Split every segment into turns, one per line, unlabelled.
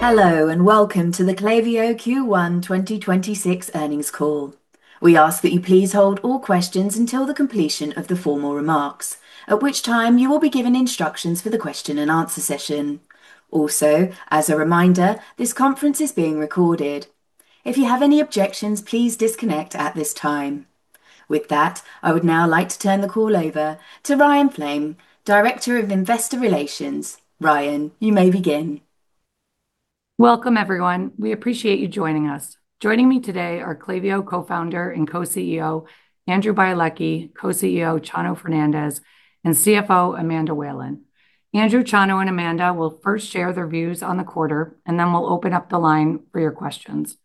Hello, welcome to the Klaviyo Q1 2026 earnings call. We ask that you please hold all questions until the completion of the formal remarks, at which time you will be given instructions for the question and answer session. Also, as a reminder, this conference is being recorded. If you have any objections, please disconnect at this time. With that, I would now like to turn the call over to Ryan Flaim, Director of Investor Relations. Ryan, you may begin.
Welcome, everyone. We appreciate you joining us. Joining me today are Klaviyo Co-Founder and Co-CEO Andrew Bialecki, Co-CEO Chano Fernández, and CFO Amanda Whalen. Andrew, Chano, and Amanda will first share their views on the quarter, and then we'll open up the line for your questions.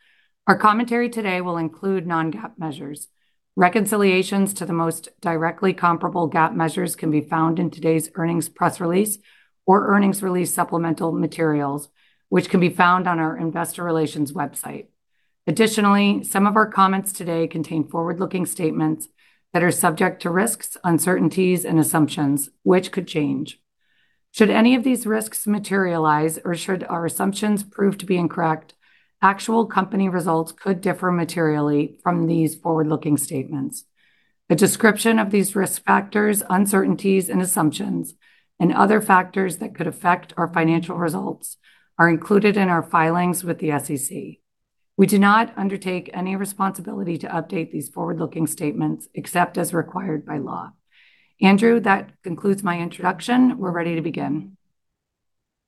Our commentary today will include non-GAAP measures. Reconciliations to the most directly comparable GAAP measures can be found in today's earnings press release or earnings release supplemental materials, which can be found on our investor relations website. Additionally, some of our comments today contain forward-looking statements that are subject to risks, uncertainties, and assumptions, which could change. Should any of these risks materialize or should our assumptions prove to be incorrect, actual company results could differ materially from these forward-looking statements. A description of these risk factors, uncertainties, and assumptions and other factors that could affect our financial results are included in our filings with the SEC. We do not undertake any responsibility to update these forward-looking statements except as required by law. Andrew, that concludes my introduction. We're ready to begin.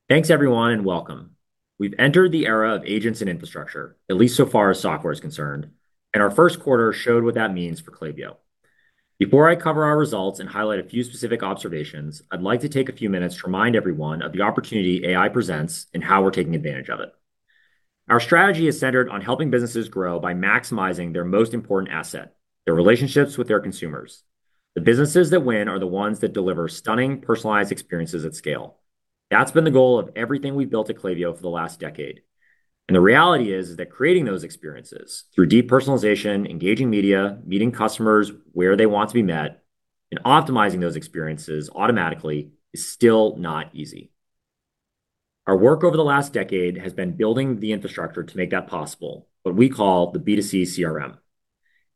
Thanks, everyone, and welcome. We've entered the era of agents and infrastructure, at least so far as software is concerned. Our first quarter showed what that means for Klaviyo. Before I cover our results and highlight a few specific observations, I'd like to take a few minutes to remind everyone of the opportunity AI presents and how we're taking advantage of it. Our strategy is centered on helping businesses grow by maximizing their most important asset, their relationships with their consumers. The businesses that win are the ones that deliver stunning, personalized experiences at scale. That's been the goal of everything we've built at Klaviyo for the last decade. The reality is that creating those experiences through deep personalization, engaging media, meeting customers where they want to be met, and optimizing those experiences automatically is still not easy. Our work over the last decade has been building the infrastructure to make that possible, what we call the B2C CRM.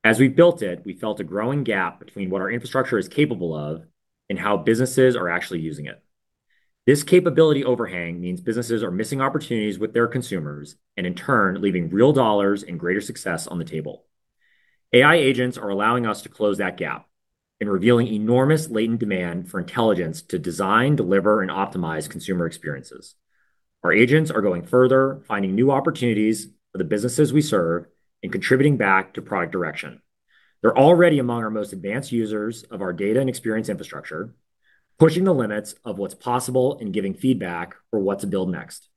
As we built it, we felt a growing gap between what our infrastructure is capable of and how businesses are actually using it. This capability overhang means businesses are missing opportunities with their consumers and in turn leaving real dollars and greater success on the table. AI agents are allowing us to close that gap and revealing enormous latent demand for intelligence to design, deliver, and optimize consumer experiences. Our agents are going further, finding new opportunities for the businesses we serve, and contributing back to product direction. They're already among our most advanced users of our data and experience infrastructure, pushing the limits of what's possible and giving feedback for what to build next.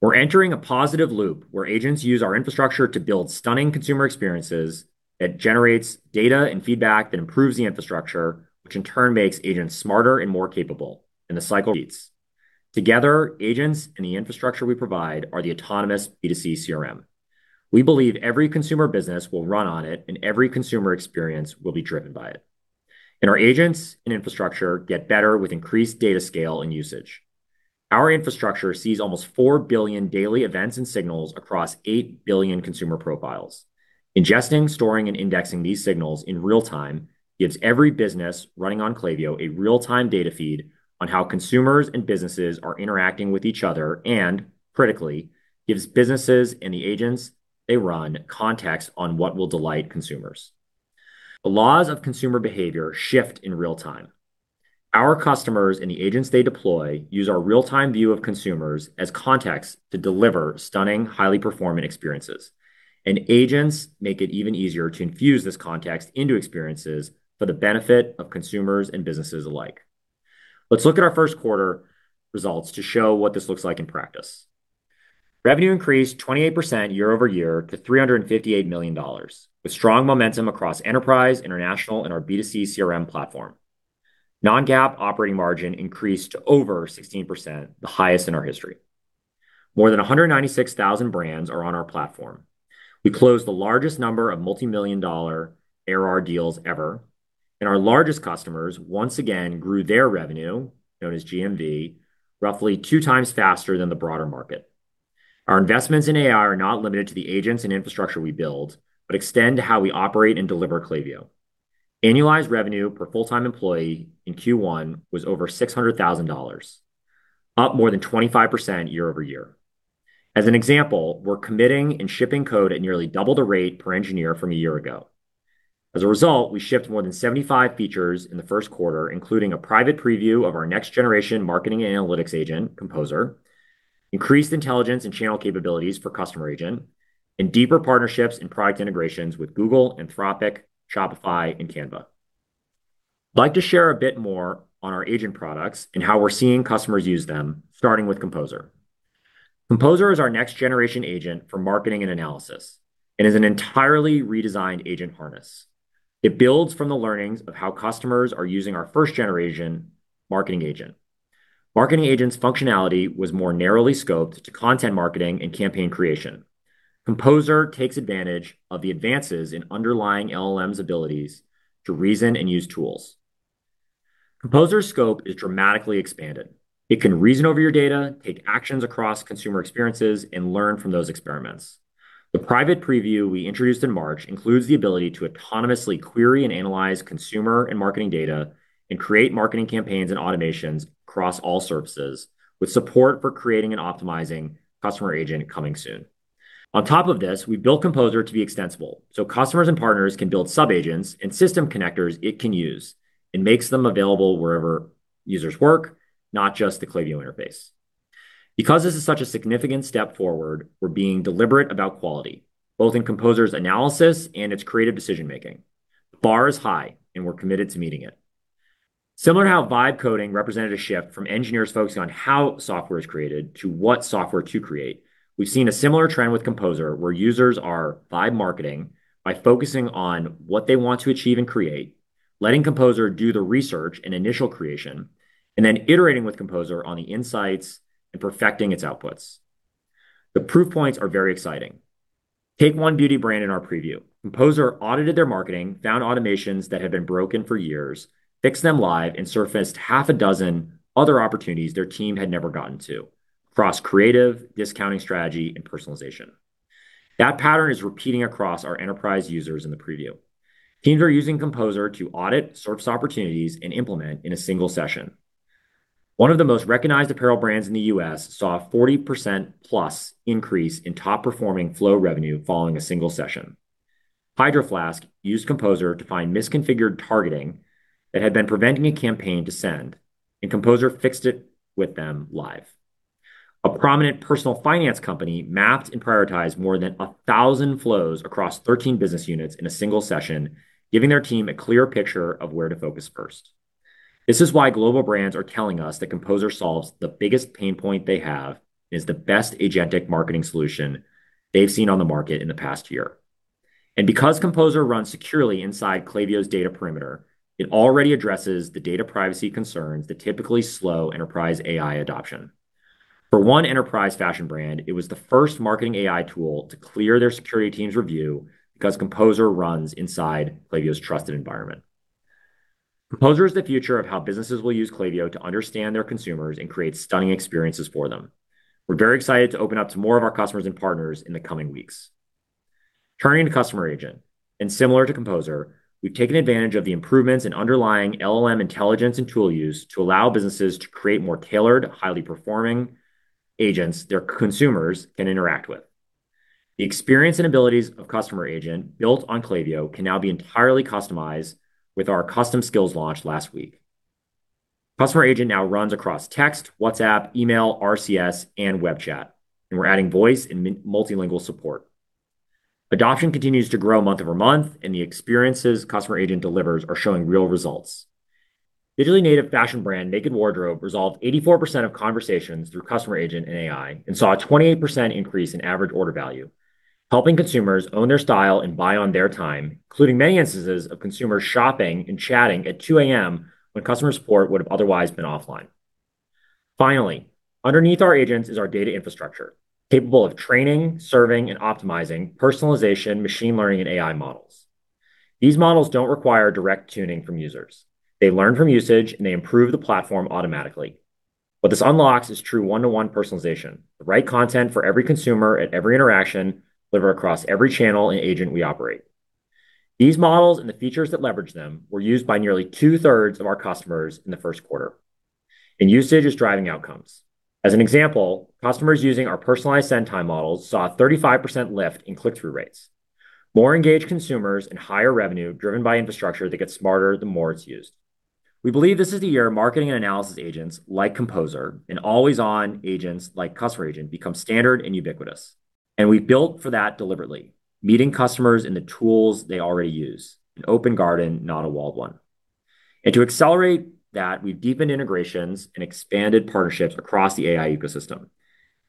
We're entering a positive loop where agents use our infrastructure to build stunning consumer experiences that generates data and feedback that improves the infrastructure, which in turn makes agents smarter and more capable. The cycle repeats. Together, agents and the infrastructure we provide are the autonomous B2C CRM. We believe every consumer business will run on it. Every consumer experience will be driven by it. Our agents and infrastructure get better with increased data scale and usage. Our infrastructure sees almost 4 billion daily events and signals across 8 billion consumer profiles. Ingesting, storing, and indexing these signals in real time gives every business running on Klaviyo a real-time data feed on how consumers and businesses are interacting with each other and, critically, gives businesses and the agents they run context on what will delight consumers. The laws of consumer behavior shift in real time. Our customers and the agents they deploy use our real-time view of consumers as context to deliver stunning, highly performing experiences. Agents make it even easier to infuse this context into experiences for the benefit of consumers and businesses alike. Let's look at our first quarter results to show what this looks like in practice. Revenue increased 28% year-over-year to $358 million, with strong momentum across enterprise, international, and our B2C CRM platform. non-GAAP operating margin increased to over 16%, the highest in our history. More than 196,000 brands are on our platform. We closed the largest number of multi-million dollar ARR deals ever, and our largest customers once again grew their revenue, known as GMV, roughly two times faster than the broader market. Our investments in AI are not limited to the agents and infrastructure we build but extend to how we operate and deliver Klaviyo. Annualized revenue per full-time employee in Q1 was over $600,000, up more than 25% year-over-year. As an example, we're committing and shipping code at nearly double the rate per engineer from a year ago. As a result, we shipped more than 75 features in the first quarter, including a private preview of our next-generation marketing analytics agent, Composer, increased intelligence and channel capabilities for Customer Agent, and deeper partnerships and product integrations with Google, Anthropic, Shopify, and Canva. I'd like to share a bit more on our agent products and how we're seeing customers use them, starting with Composer. Composer is our next-generation agent for marketing and analysis and is an entirely redesigned agent harness. It builds from the learnings of how customers are using our first-generation Marketing Agent. Marketing Agent's functionality was more narrowly scoped to content marketing and campaign creation. Composer takes advantage of the advances in underlying LLM's abilities to reason and use tools. Composer's scope is dramatically expanded. It can reason over your data, take actions across consumer experiences, and learn from those experiments. The private preview we introduced in March includes the ability to autonomously query and analyze consumer and marketing data and create marketing campaigns and automations across all services, with support for creating and optimizing Customer Agent coming soon. On top of this, we built Composer to be extensible, so customers and partners can build sub-agents and system connectors it can use and makes them available wherever users work, not just the Klaviyo interface. Because this is such a significant step forward, we're being deliberate about quality, both in Composer's analysis and its creative decision-making. The bar is high, and we're committed to meeting it. Similar to how vibe coding represented a shift from engineers focusing on how software is created to what software to create, we've seen a similar trend with Composer, where users are vibe marketing by focusing on what they want to achieve and create, letting Composer do the research and initial creation, and then iterating with Composer on the insights and perfecting its outputs. The proof points are very exciting. Take one beauty brand in our preview. Composer audited their marketing, found automations that had been broken for years, fixed them live, and surfaced half a dozen other opportunities their team had never gotten to across creative, discounting strategy, and personalization. That pattern is repeating across our enterprise users in the preview. Teams are using Composer to audit, source opportunities, and implement in a one session. One of the most recognized apparel brands in the U.S. saw a 40%+ increase in top-performing flow revenue following a one session. Hydro Flask used Composer to find misconfigured targeting that had been preventing a campaign to send, and Composer fixed it with them live. A prominent personal finance company mapped and prioritized more than 1,000 flows across 13 business units in a one session, giving their team a clear picture of where to focus first. This is why global brands are telling us that Composer solves the biggest pain point they have and is the best agentic marketing solution they've seen on the market in the past year. Because Composer runs securely inside Klaviyo's data perimeter, it already addresses the data privacy concerns that typically slow enterprise AI adoption. For one enterprise fashion brand, it was the first marketing AI tool to clear their security team's review because Composer runs inside Klaviyo's trusted environment. Composer is the future of how businesses will use Klaviyo to understand their consumers and create stunning experiences for them. We're very excited to open up to more of our customers and partners in the coming weeks. Turning to Customer Agent, similar to Composer, we've taken advantage of the improvements in underlying LLM intelligence and tool use to allow businesses to create more tailored, highly performing agents their consumers can interact with. The experience and abilities of Customer Agent built on Klaviyo can now be entirely customized with our custom skills launch last week. Customer Agent now runs across text, WhatsApp, email, RCS, and web chat. We're adding voice and multilingual support. Adoption continues to grow month-over-month. The experiences Customer Agent delivers are showing real results. Digitally native fashion brand Naked Wardrobe resolved 84% of conversations through Customer Agent and AI and saw a 28% increase in average order value, helping consumers own their style and buy on their time, including many instances of consumers shopping and chatting at 2:00 A.M. when customer support would have otherwise been offline. Finally, underneath our agents is our data infrastructure, capable of training, serving, and optimizing personalization, machine learning, and AI models. These models don't require direct tuning from users. They learn from usage, and they improve the platform automatically. What this unlocks is true one-to-one personalization, the right content for every consumer at every interaction delivered across every channel and agent we operate. These models and the features that leverage them were used by nearly two-thirds of our customers in the first quarter, and usage is driving outcomes. As an example, customers using our personalized send time models saw a 35% lift in click-through rates. More engaged consumers and higher revenue driven by infrastructure that gets smarter the more it's used. We believe this is the year marketing and analysis agents like Composer and always-on agents like Customer Agent become standard and ubiquitous, and we've built for that deliberately, meeting customers in the tools they already use, an open garden, not a walled one. To accelerate that, we've deepened integrations and expanded partnerships across the AI ecosystem.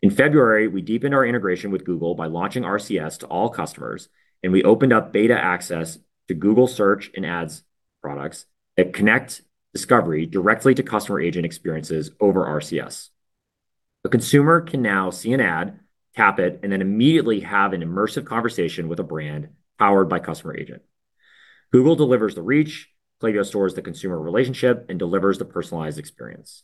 In February, we deepened our integration with Google by launching RCS to all customers, and we opened up beta access to Google Search and Ads products that connect discovery directly to Customer Agent experiences over RCS. A consumer can now see an ad, tap it, and then immediately have an immersive conversation with a brand powered by Customer Agent. Google delivers the reach, Klaviyo stores the consumer relationship and delivers the personalized experience.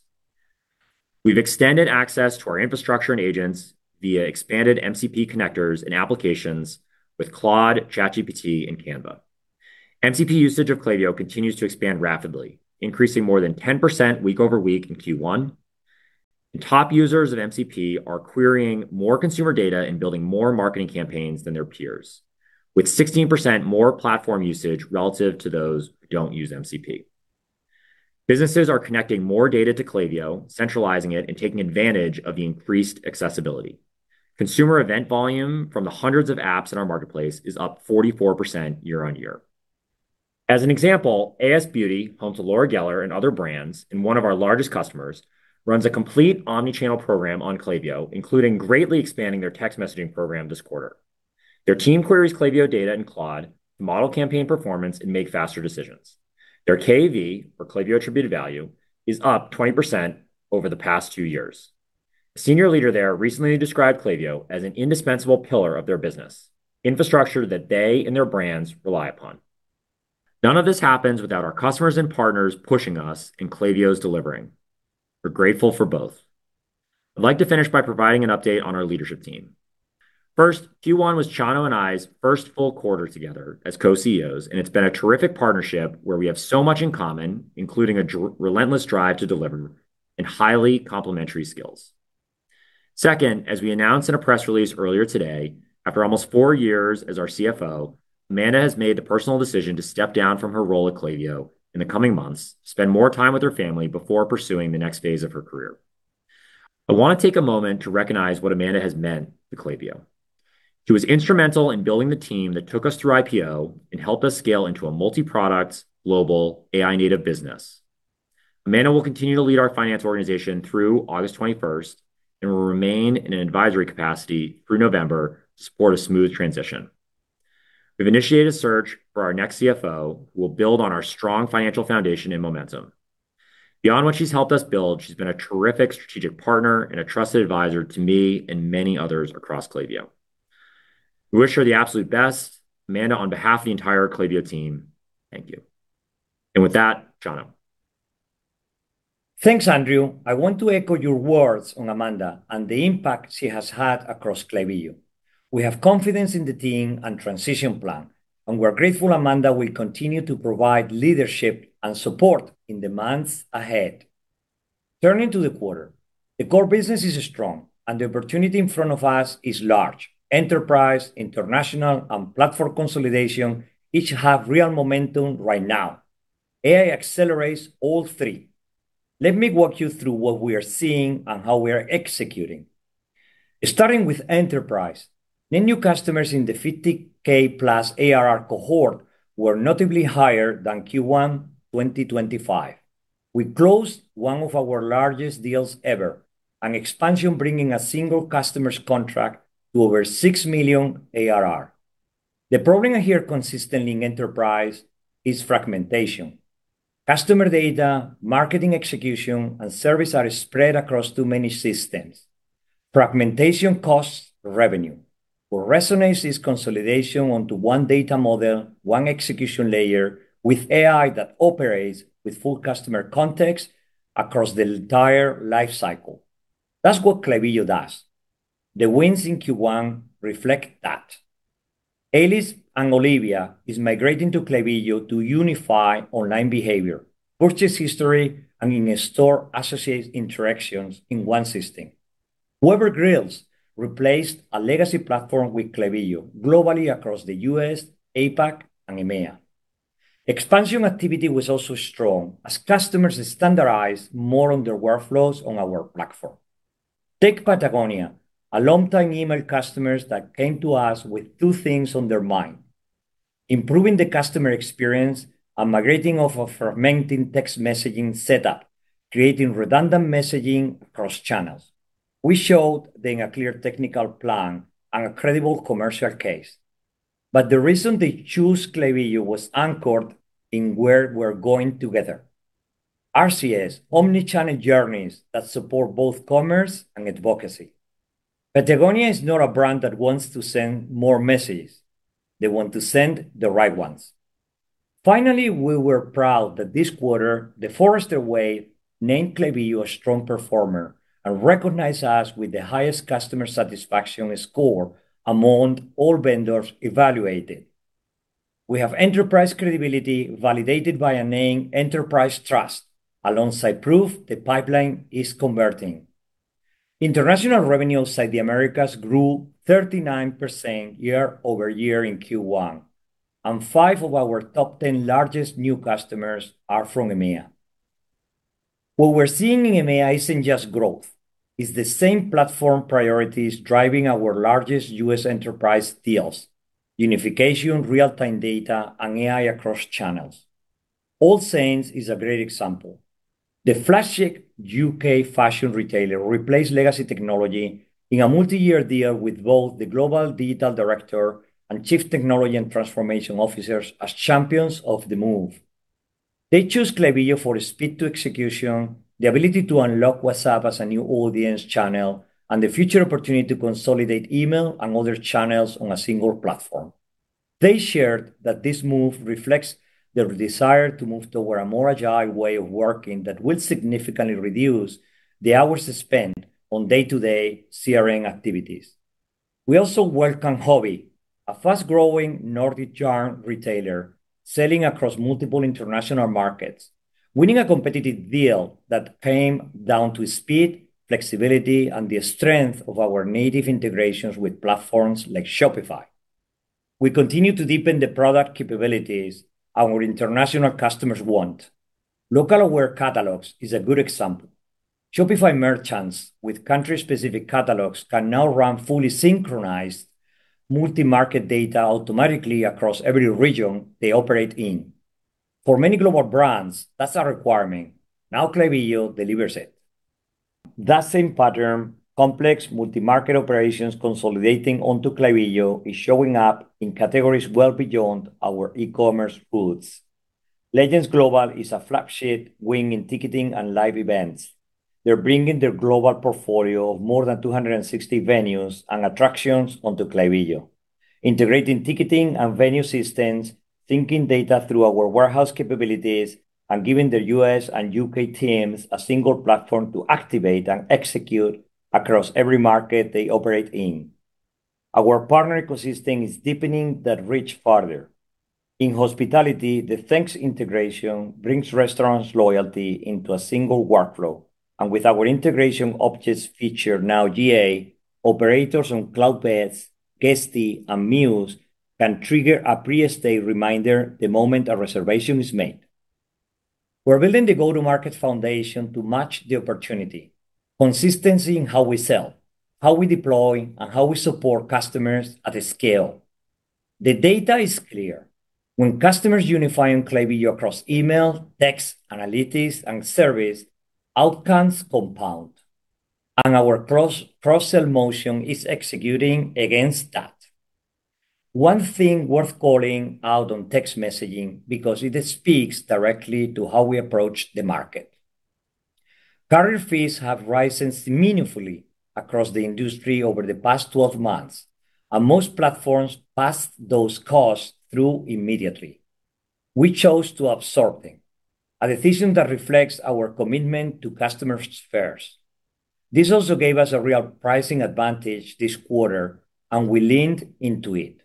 We've extended access to our infrastructure and agents via expanded MCP connectors and applications with Claude, ChatGPT, and Canva. MCP usage of Klaviyo continues to expand rapidly, increasing more than 10% week over week in Q1. Top users of MCP are querying more consumer data and building more marketing campaigns than their peers, with 16% more platform usage relative to those who don't use MCP. Businesses are connecting more data to Klaviyo, centralizing it, and taking advantage of the increased accessibility. Consumer event volume from the hundreds of apps in our marketplace is up 44% year-on-year. As an example, AS Beauty, home to Laura Geller and other brands and one of our largest customers, runs a complete omni-channel program on Klaviyo, including greatly expanding their text messaging program this quarter. Their team queries Klaviyo data in Claude to model campaign performance and make faster decisions. Their KAV, or Klaviyo attributed value, is up 20% over the past two years. Senior leader there recently described Klaviyo as an indispensable pillar of their business, infrastructure that they and their brands rely upon. None of this happens without our customers and partners pushing us and Klaviyo's delivering. We're grateful for both. I'd like to finish by providing an update on our leadership team. First, Q1 was Chano and I's first full quarter together as Co-CEOs, and it's been a terrific partnership where we have so much in common, including a relentless drive to deliver and highly complementary skills. Second, as we announced in a press release earlier today, after almost four years as our CFO, Amanda has made the personal decision to step down from her role at Klaviyo in the coming months to spend more time with her family before pursuing the next phase of her career. I wanna take a moment to recognize what Amanda has meant to Klaviyo. She was instrumental in building the team that took us through IPO and helped us scale into a multi-product global AI-native business. Amanda will continue to lead our finance organization through August twenty-first and will remain in an advisory capacity through November to support a smooth transition. We've initiated a search for our next CFO, who will build on our strong financial foundation and momentum. Beyond what she's helped us build, she's been a terrific strategic partner and a trusted advisor to me and many others across Klaviyo. We wish her the absolute best. Amanda, on behalf of the entire Klaviyo team, thank you. With that, Chano.
Thanks, Andrew. I want to echo your words on Amanda and the impact she has had across Klaviyo. We have confidence in the team and transition plan, and we're grateful Amanda will continue to provide leadership and support in the months ahead. Turning to the quarter, the core business is strong and the opportunity in front of us is large. Enterprise, international, and platform consolidation each have real momentum right now. AI accelerates all three. Let me walk you through what we are seeing and how we are executing. Starting with enterprise, net new customers in the 50,000+ ARR cohort were notably higher than Q1 2025. We closed one of our largest deals ever, an expansion bringing a single customer's contract to over $6 million ARR. The problem I hear consistently in enterprise is fragmentation. Customer data, marketing execution, and service are spread across too many systems. Fragmentation costs revenue. What resonates is consolidation onto one data model, one execution layer with AI that operates with full customer context across the entire life cycle. That's what Klaviyo does. The wins in Q1 reflect that. Alice and Olivia is migrating to Klaviyo to unify online behavior, purchase history, and in-store associate interactions in one system. Weber Grills replaced a legacy platform with Klaviyo globally across the U.S., APAC, and EMEA. Expansion activity was also strong as customers standardize more on their workflows on our platform. Take Patagonia, a longtime email customers that came to us with two things on their mind: improving the customer experience and migrating off a fragmenting text messaging setup, creating redundant messaging across channels. We showed them a clear technical plan and a credible commercial case. The reason they chose Klaviyo was anchored in where we're going together. RCS, omnichannel journeys that support both commerce and advocacy. Patagonia is not a brand that wants to send more messages. They want to send the right ones. Finally, we were proud that this quarter The Forrester Wave named Klaviyo a strong performer and recognized us with the highest customer satisfaction score among all vendors evaluated. We have enterprise credibility validated by a name Enterprise Trust, alongside proof the pipeline is converting. International revenue outside the Americas grew 39% year-over-year in Q1, and five of our top 10 largest new customers are from EMEA. What we're seeing in EMEA isn't just growth. It's the same platform priorities driving our largest U.S. enterprise deals, unification, real-time data, and AI across channels. AllSaints is a great example. The flagship U.K. fashion retailer replaced legacy technology in a multi-year deal with both the global digital director and chief technology and transformation officers as champions of the move. They chose Klaviyo for speed to execution, the ability to unlock WhatsApp as a new audience channel, and the future opportunity to consolidate email and other channels on a single platform. They shared that this move reflects their desire to move toward a more agile way of working that will significantly reduce the hours they spend on day-to-day CRM activities. We also welcome Hobbii, a fast-growing Nordic yarn retailer selling across multiple international markets, winning a competitive deal that came down to speed, flexibility, and the strength of our native integrations with platforms like Shopify. We continue to deepen the product capabilities our international customers want. Local aware catalogs is a good example. Shopify merchants with country-specific catalogs can now run fully synchronized multi-market data automatically across every region they operate in. For many global brands, that's a requirement. Now Klaviyo delivers it. That same pattern, complex multi-market operations consolidating onto Klaviyo, is showing up in categories well beyond our e-commerce roots. Legends Global is a flagship wing in ticketing and live events. They're bringing their global portfolio of more than 260 venues and attractions onto Klaviyo, integrating ticketing and venue systems, syncing data through our warehouse capabilities, and giving their U.S. and U.K. teams a single platform to activate and execute across every market they operate in. Our partner ecosystem is deepening that reach farther. In hospitality, the Thanx integration brings restaurants loyalty into a single workflow. With our Integration Objects feature now GA, operators on Cloudbeds, Guesty, and Mews can trigger a pre-stay reminder the moment a reservation is made. We're building the go-to-market foundation to match the opportunity, consistency in how we sell, how we deploy, and how we support customers at scale. The data is clear. When customers unify on Klaviyo across email, text, analytics, and service, outcomes compound, and our cross-sell motion is executing against that. One thing worth calling out on text messaging because it speaks directly to how we approach the market. Carrier fees have risen meaningfully across the industry over the past 12 months, and most platforms passed those costs through immediately. We chose to absorb them, a decision that reflects our commitment to customers first. This also gave us a real pricing advantage this quarter, and we leaned into it.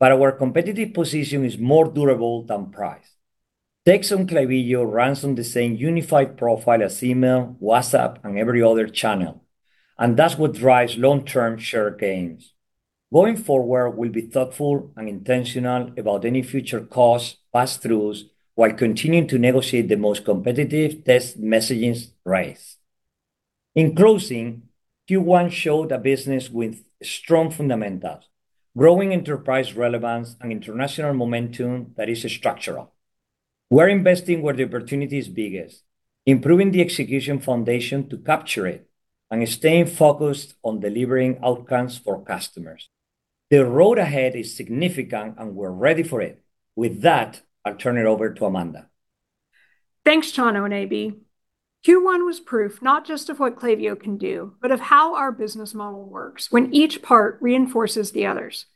Our competitive position is more durable than price. Text on Klaviyo runs on the same unified profile as email, WhatsApp, and every other channel, and that's what drives long-term share gains. Going forward, we'll be thoughtful and intentional about any future cost passthroughs while continuing to negotiate the most competitive text messaging rates. In closing, Q1 showed a business with strong fundamentals, growing enterprise relevance and international momentum that is structural. We're investing where the opportunity is biggest, improving the execution foundation to capture it, and staying focused on delivering outcomes for customers. The road ahead is significant, and we're ready for it. With that, I'll turn it over to Amanda.
Thanks, Chano and AB. Q1 was proof not just of what Klaviyo can do, but of how our business model works when each part reinforces the others.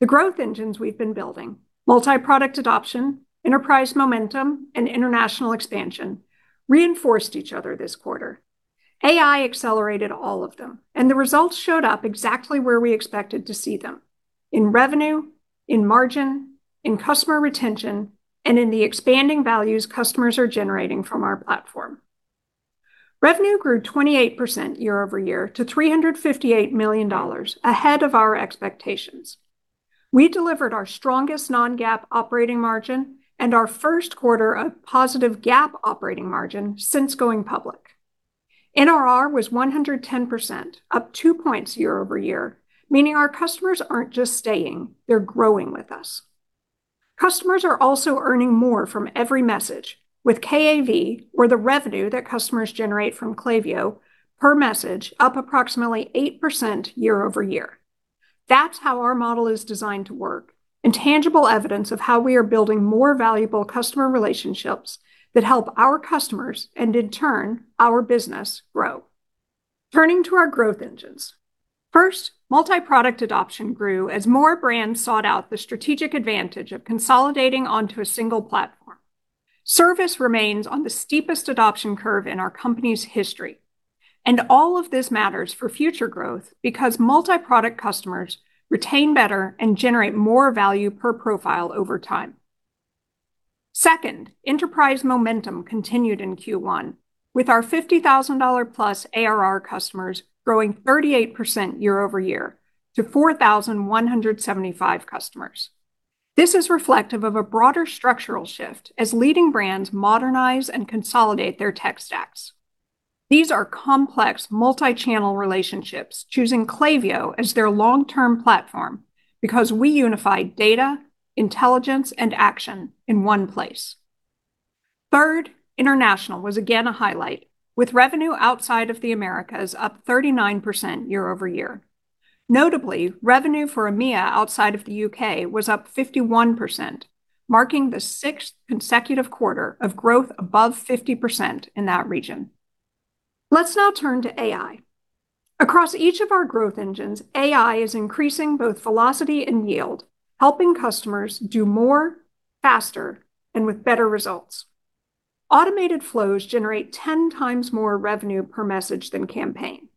The growth engines we've been building, multi-product adoption, enterprise momentum, and international expansion, reinforced each other this quarter. AI accelerated all of them. The results showed up exactly where we expected to see them, in revenue, in margin, in customer retention, and in the expanding values customers are generating from our platform. Revenue grew 28% year-over-year to $358 million, ahead of our expectations. We delivered our strongest non-GAAP operating margin and our first quarter of positive GAAP operating margin since going public. NRR was 110%, up 2 points year-over-year, meaning our customers aren't just staying, they're growing with us. Customers are also earning more from every message with KAV, or the revenue that customers generate from Klaviyo per message, up approximately 8% year-over-year. That's how our model is designed to work and tangible evidence of how we are building more valuable customer relationships that help our customers, and in turn, our business grow. Turning to our growth engines. First, multi-product adoption grew as more brands sought out the strategic advantage of consolidating onto a single platform. Service remains on the steepest adoption curve in our company's history. All of this matters for future growth because multi-product customers retain better and generate more value per profile over time. Second, enterprise momentum continued in Q1, with our $50,000+ ARR customers growing 38% year-over-year to 4,175 customers. This is reflective of a broader structural shift as leading brands modernize and consolidate their tech stacks. These are complex multi-channel relationships choosing Klaviyo as their long-term platform because we unify data, intelligence, and action in one place. Third, international was again a highlight, with revenue outside of the Americas up 39% year-over-year. Notably, revenue for EMEA outside of the U.K. was up 51%, marking the sixth consecutive quarter of growth above 50% in that region. Let's now turn to AI. Across each of our growth engines, AI is increasing both velocity and yield, helping customers do more, faster, and with better results. Automated flows generate 10x more revenue per message than campaign.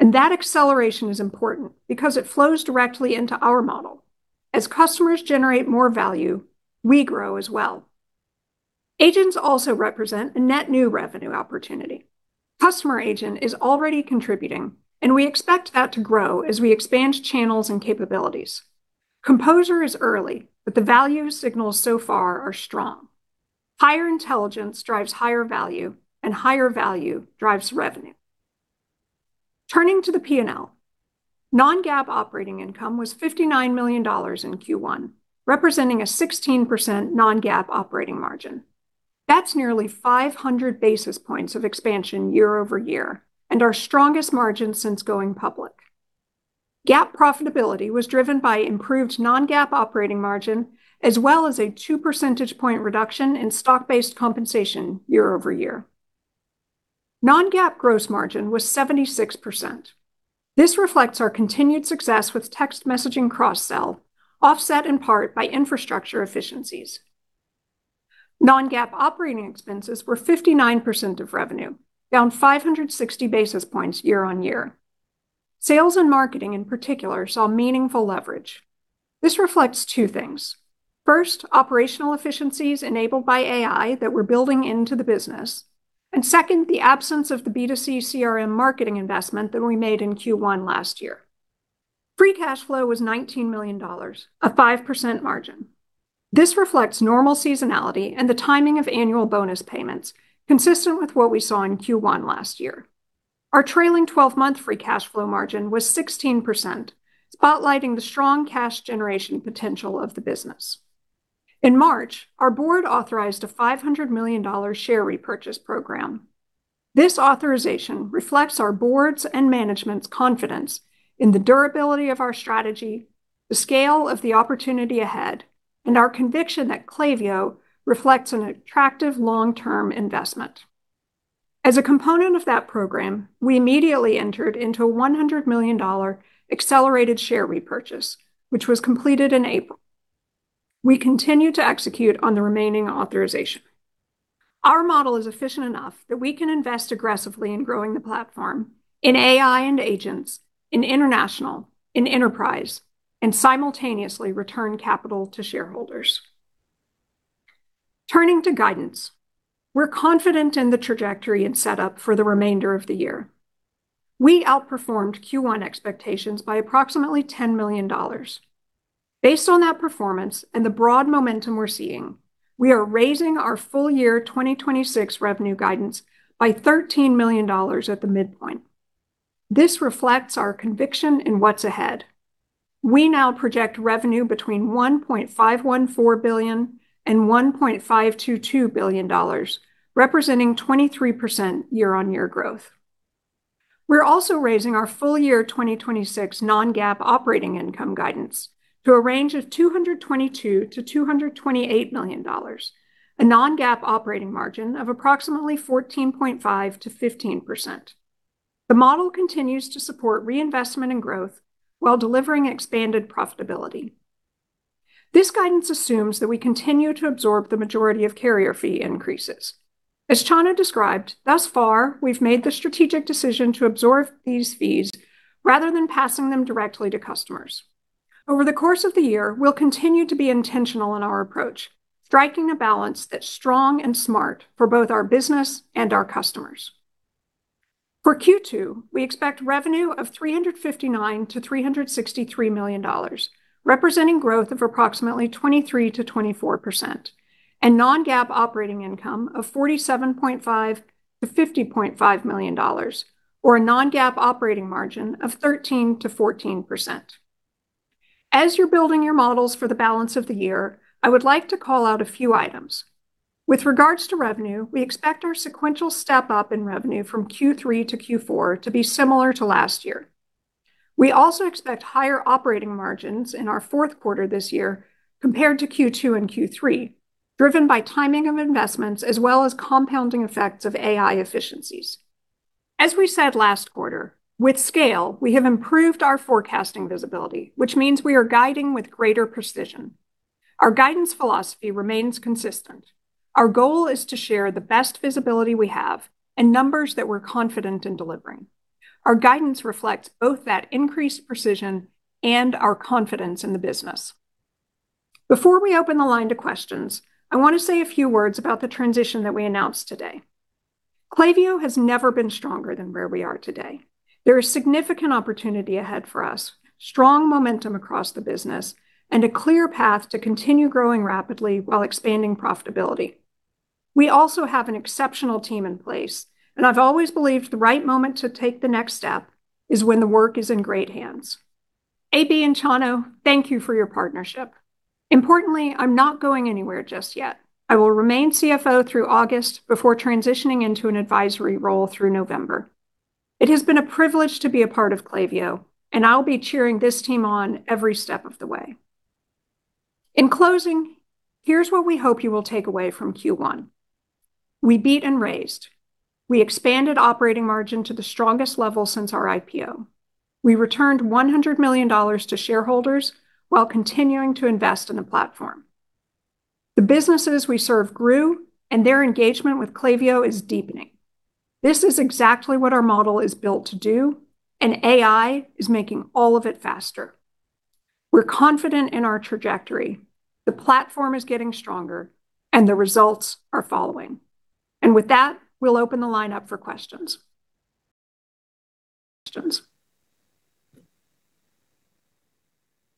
That acceleration is important because it flows directly into our model. As customers generate more value, we grow as well. Agents also represent a net new revenue opportunity. Customer Agent is already contributing, and we expect that to grow as we expand channels and capabilities. Composer is early, but the value signals so far are strong. Higher intelligence drives higher value, and higher value drives revenue. Turning to the P&L. Non-GAAP operating income was $59 million in Q1, representing a 16% non-GAAP operating margin. That's nearly 500 basis points of expansion year-over-year and our strongest margin since going public. GAAP profitability was driven by improved non-GAAP operating margin as well as a 2 percentage point reduction in stock-based compensation year-over-year. Non-GAAP gross margin was 76%. This reflects our continued success with text messaging cross-sell, offset in part by infrastructure efficiencies. Non-GAAP operating expenses were 59% of revenue, down 560 basis points year-on-year. Sales and marketing in particular saw meaningful leverage. This reflects two things. First, operational efficiencies enabled by AI that we're building into the business, and second, the absence of the B2C CRM marketing investment that we made in Q1 last year. Free cash flow was $19 million, a 5% margin. This reflects normal seasonality and the timing of annual bonus payments, consistent with what we saw in Q1 last year. Our trailing 12-month free cash flow margin was 16%, spotlighting the strong cash generation potential of the business. In March, our board authorized a $500 million share repurchase program. This authorization reflects our board's and management's confidence in the durability of our strategy, the scale of the opportunity ahead, and our conviction that Klaviyo reflects an attractive long-term investment. As a component of that program, we immediately entered into a $100 million accelerated share repurchase, which was completed in April. We continue to execute on the remaining authorization. Our model is efficient enough that we can invest aggressively in growing the platform in AI and agents, in international, in enterprise, and simultaneously return capital to shareholders. Turning to guidance, we're confident in the trajectory and setup for the remainder of the year. We outperformed Q1 expectations by approximately $10 million. Based on that performance and the broad momentum we're seeing, we are raising our full year 2026 revenue guidance by $13 million at the midpoint. This reflects our conviction in what's ahead. We now project revenue between $1.514 billion and $1.522 billion, representing 23% year-over-year growth. We're also raising our full year 2026 non-GAAP operating income guidance to a range of $222 million-$228 million, a non-GAAP operating margin of approximately 14.5%-15%. The model continues to support reinvestment and growth while delivering expanded profitability. This guidance assumes that we continue to absorb the majority of carrier fee increases. As Chano described, thus far, we've made the strategic decision to absorb these fees rather than passing them directly to customers. Over the course of the year, we'll continue to be intentional in our approach, striking a balance that's strong and smart for both our business and our customers. For Q2, we expect revenue of $359 million-$363 million, representing growth of approximately 23%-24%, and non-GAAP operating income of $47.5 million-$50.5 million, or a non-GAAP operating margin of 13%-14%. As you're building your models for the balance of the year, I would like to call out a few items. With regards to revenue, we expect our sequential step-up in revenue from Q3 to Q4 to be similar to last year. We also expect higher operating margins in our fourth quarter this year compared to Q2 and Q3, driven by timing of investments as well as compounding effects of AI efficiencies. As we said last quarter, with scale, we have improved our forecasting visibility, which means we are guiding with greater precision. Our guidance philosophy remains consistent. Our goal is to share the best visibility we have and numbers that we're confident in delivering. Our guidance reflects both that increased precision and our confidence in the business. Before we open the line to questions, I want to say a few words about the transition that we announced today. Klaviyo has never been stronger than where we are today. There is significant opportunity ahead for us, strong momentum across the business, and a clear path to continue growing rapidly while expanding profitability. We also have an exceptional team in place, and I've always believed the right moment to take the next step is when the work is in great hands. AB and Chano, thank you for your partnership. Importantly, I'm not going anywhere just yet. I will remain CFO through August before transitioning into an advisory role through November. It has been a privilege to be a part of Klaviyo, and I'll be cheering this team on every step of the way. In closing, here's what we hope you will take away from Q1. We beat and raised. We expanded operating margin to the strongest level since our IPO. We returned $100 million to shareholders while continuing to invest in the platform. The businesses we serve grew, and their engagement with Klaviyo is deepening. This is exactly what our model is built to do, and AI is making all of it faster. We're confident in our trajectory. The platform is getting stronger, and the results are following. With that, we'll open the line up for questions. Questions.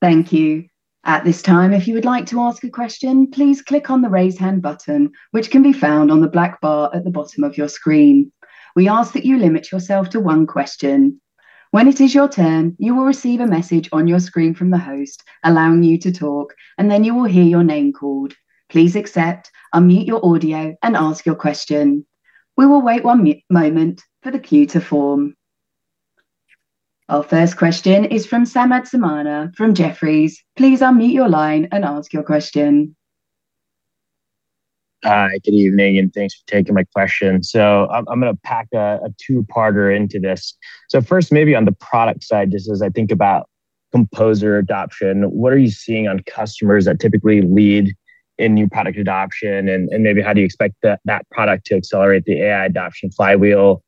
Thank you. At this time, if you would like to ask a question, please click on the Raise Hand button, which can be found on the black bar at the bottom of your screen. We ask that you limit yourself to one question. When it is your turn, you will receive a message on your screen from the host allowing you to talk, and then you will hear your name called. Please accept, unmute your audio, and ask your question. We will wait one moment for the queue to form. Our first question is from Samad Samana from Jefferies. Please unmute your line and ask your question.
Hi, good evening, thanks for taking my question. I'm gonna pack a two-parter into this. First maybe on the product side, just as I think about Composer adoption, what are you seeing on customers that typically lead in new product adoption? Maybe how do you expect that product to accelerate the AI adoption flywheel?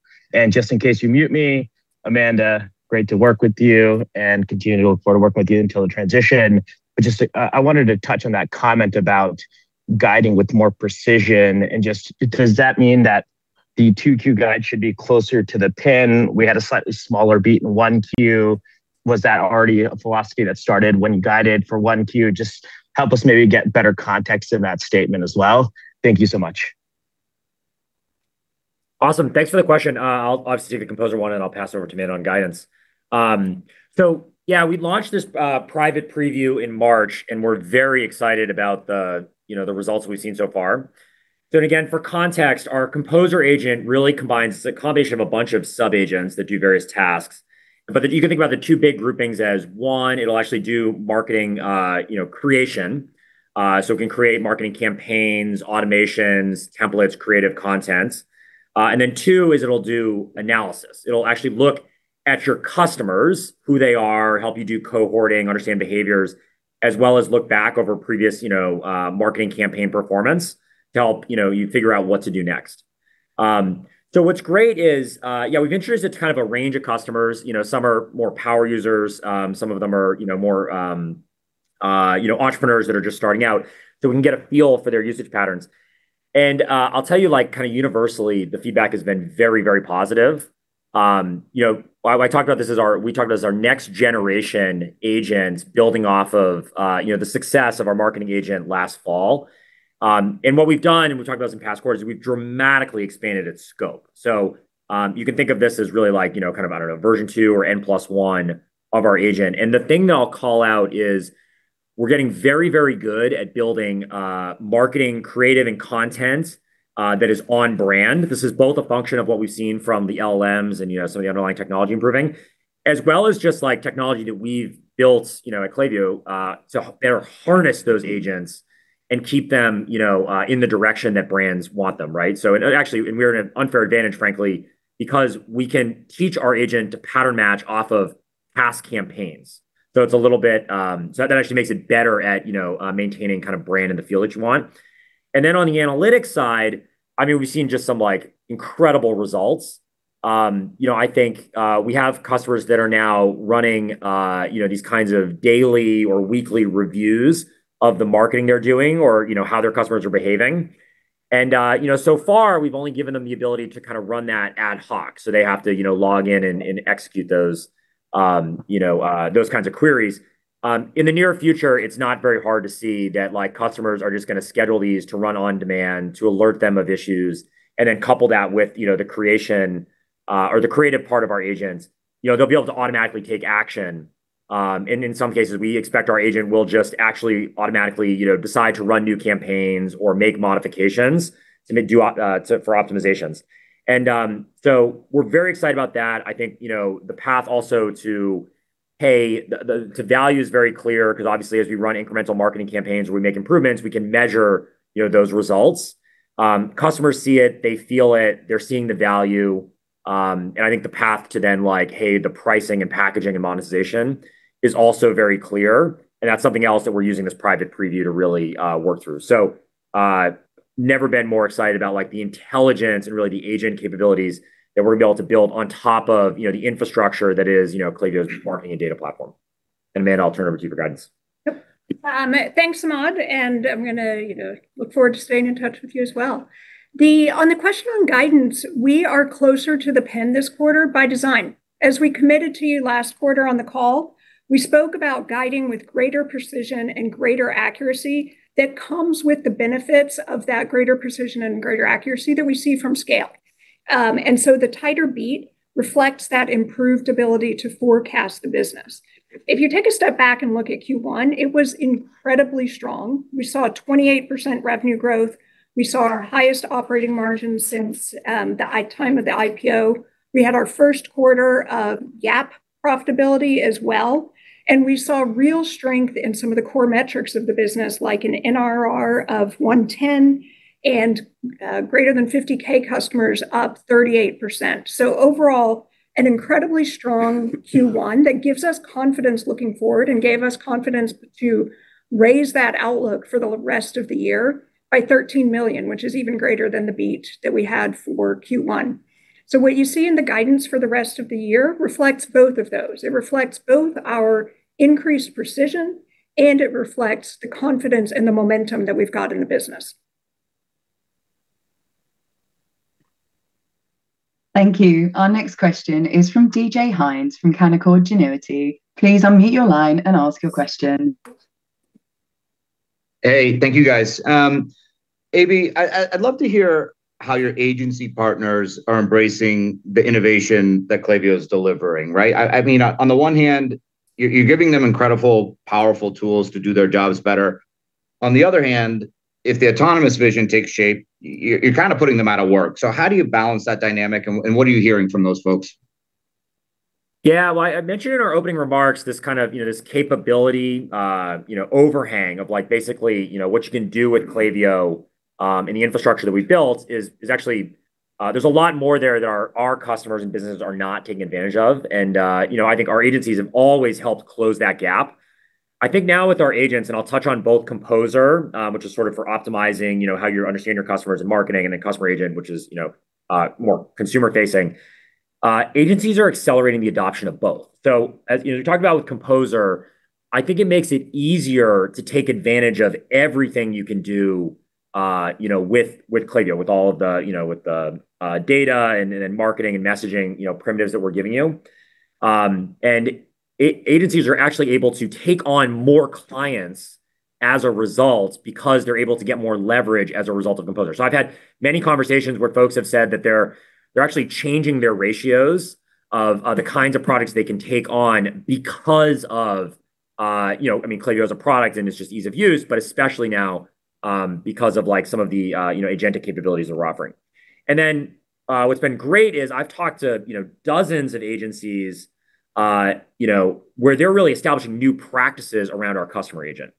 Just in case you mute me, Amanda, great to work with you and continue to look forward to working with you until the transition. Just I wanted to touch on that comment about guiding with more precision and just does that mean that the 2Q guide should be closer to the pin? We had a slightly smaller beat in 1Q. Was that already a philosophy that started when guided for 1Q? Just help us maybe get better context in that statement as well. Thank you so much.
Awesome. Thanks for the question. I'll obviously do the Composer one, and I'll pass it over to Amanda on guidance. Yeah, we launched this private preview in March, and we're very excited about the, you know, the results we've seen so far. Again, for context, our Composer agent really combines the combination of a bunch of sub-agents that do various tasks. If you can think about the two big groupings as, one, it'll actually do marketing, you know, creation. It can create marketing campaigns, automations, templates, creative content. Two, is it'll do analysis. It'll actually look at your customers, who they are, help you do cohorting, understand behaviors, as well as look back over previous, you know, marketing campaign performance to help, you know, you figure out what to do next. What's great is, yeah, we've introduced it to kind of a range of customers. You know, some are more power users, some of them are, you know, more, you know, entrepreneurs that are just starting out, so we can get a feel for their usage patterns. I'll tell you, like, kind of universally, the feedback has been very, very positive. You know, we talk about as our next generation agent building off of, you know, the success of our Marketing Agent last fall. What we've done, and we talked about this in past quarters, is we've dramatically expanded its scope. You can think of this as really like, you know, kind of, I don't know, version 2 or n plus 1 of our agent. The thing that I'll call out is we're getting very, very good at building marketing creative and content that is on brand. This is both a function of what we've seen from the LLMs and, you know, some of the underlying technology improving, as well as just, like, technology that we've built, you know, at Klaviyo to better harness those agents and keep them, you know, in the direction that brands want them, right? Actually, we're in an unfair advantage, frankly, because we can teach our agent to pattern match off of past campaigns. It's a little bit so that actually makes it better at, you know, maintaining kind of brand in the field that you want. Then on the analytics side, I mean, we've seen just some, like, incredible results. I think we have customers that are now running these kinds of daily or weekly reviews of the marketing they're doing or how their customers are behaving. So far we've only given them the ability to kind of run that ad hoc, so they have to log in and execute those kinds of queries. In the near future, it's not very hard to see that customers are just gonna schedule these to run on demand to alert them of issues and then couple that with the creation or the creative part of our agents. They'll be able to automatically take action. In some cases, we expect our agent will just actually automatically, you know, decide to run new campaigns or make modifications for optimizations. So we're very excited about that. I think, you know, the path also to pay the value is very clear because obviously as we run incremental marketing campaigns, we make improvements, we can measure, you know, those results. Customers see it, they feel it, they're seeing the value. I think the path to then like, hey, the pricing and packaging and monetization is also very clear, and that's something else that we're using this private preview to really work through. Never been more excited about, like, the intelligence and really the agent capabilities that we're gonna be able to build on top of, you know, the infrastructure that is, you know, Klaviyo's marketing and data platform. Amanda, I'll turn over to you for guidance.
Yep. Thanks, Samad, and I'm gonna, you know, look forward to staying in touch with you as well. On the question on guidance, we are closer to the pin this quarter by design. As we committed to you last quarter on the call, we spoke about guiding with greater precision and greater accuracy that comes with the benefits of that greater precision and greater accuracy that we see from scale. The tighter beat reflects that improved ability to forecast the business. If you take a step back and look at Q1, it was incredibly strong. We saw a 28% revenue growth. We saw our highest operating margin since the time of the IPO. We had our first quarter of GAAP profitability as well, and we saw real strength in some of the core metrics of the business, like an NRR of 110, greater than 50,000 customers up 38%. Overall, an incredibly strong Q1 that gives us confidence looking forward and gave us confidence to raise that outlook for the rest of the year by $13 million, which is even greater than the beat that we had for Q1. What you see in the guidance for the rest of the year reflects both of those. It reflects both our increased precision, and it reflects the confidence and the momentum that we've got in the business.
Thank you. Our next question is from D.J. Hynes from Canaccord Genuity.
Hey, thank you, guys. AB, I'd love to hear how your agency partners are embracing the innovation that Klaviyo is delivering, right? I mean, on the one hand, you're giving them incredible, powerful tools to do their jobs better. On the other hand, if the autonomous vision takes shape, you're kind of putting them out of work. How do you balance that dynamic, and what are you hearing from those folks?
Well, I mentioned in our opening remarks this kind of, you know, this capability, you know, overhang of, like, basically, you know, what you can do with Klaviyo, and the infrastructure that we've built is actually there's a lot more there that our customers and businesses are not taking advantage of. I think our agencies have always helped close that gap. I think now with our agents, I'll touch on both Composer, which is sort of for optimizing, you know, how you understand your customers in marketing, and then Customer Agent, which is, you know, more consumer facing. Agencies are accelerating the adoption of both. As, you know, you talk about with Composer, I think it makes it easier to take advantage of everything you can do, you know, with Klaviyo, with all of the, you know, with the data and then marketing and messaging, you know, primitives that we're giving you. And agencies are actually able to take on more clients as a result because they're able to get more leverage as a result of Composer. I've had many conversations where folks have said that they're actually changing their ratios of the kinds of products they can take on because of, you know, I mean, Klaviyo as a product and its just ease of use, but especially now, because of, like, some of the, you know, agentic capabilities we're offering. What's been great is I've talked to, you know, dozens of agencies, you know, where they're really establishing new practices around our Customer Agent.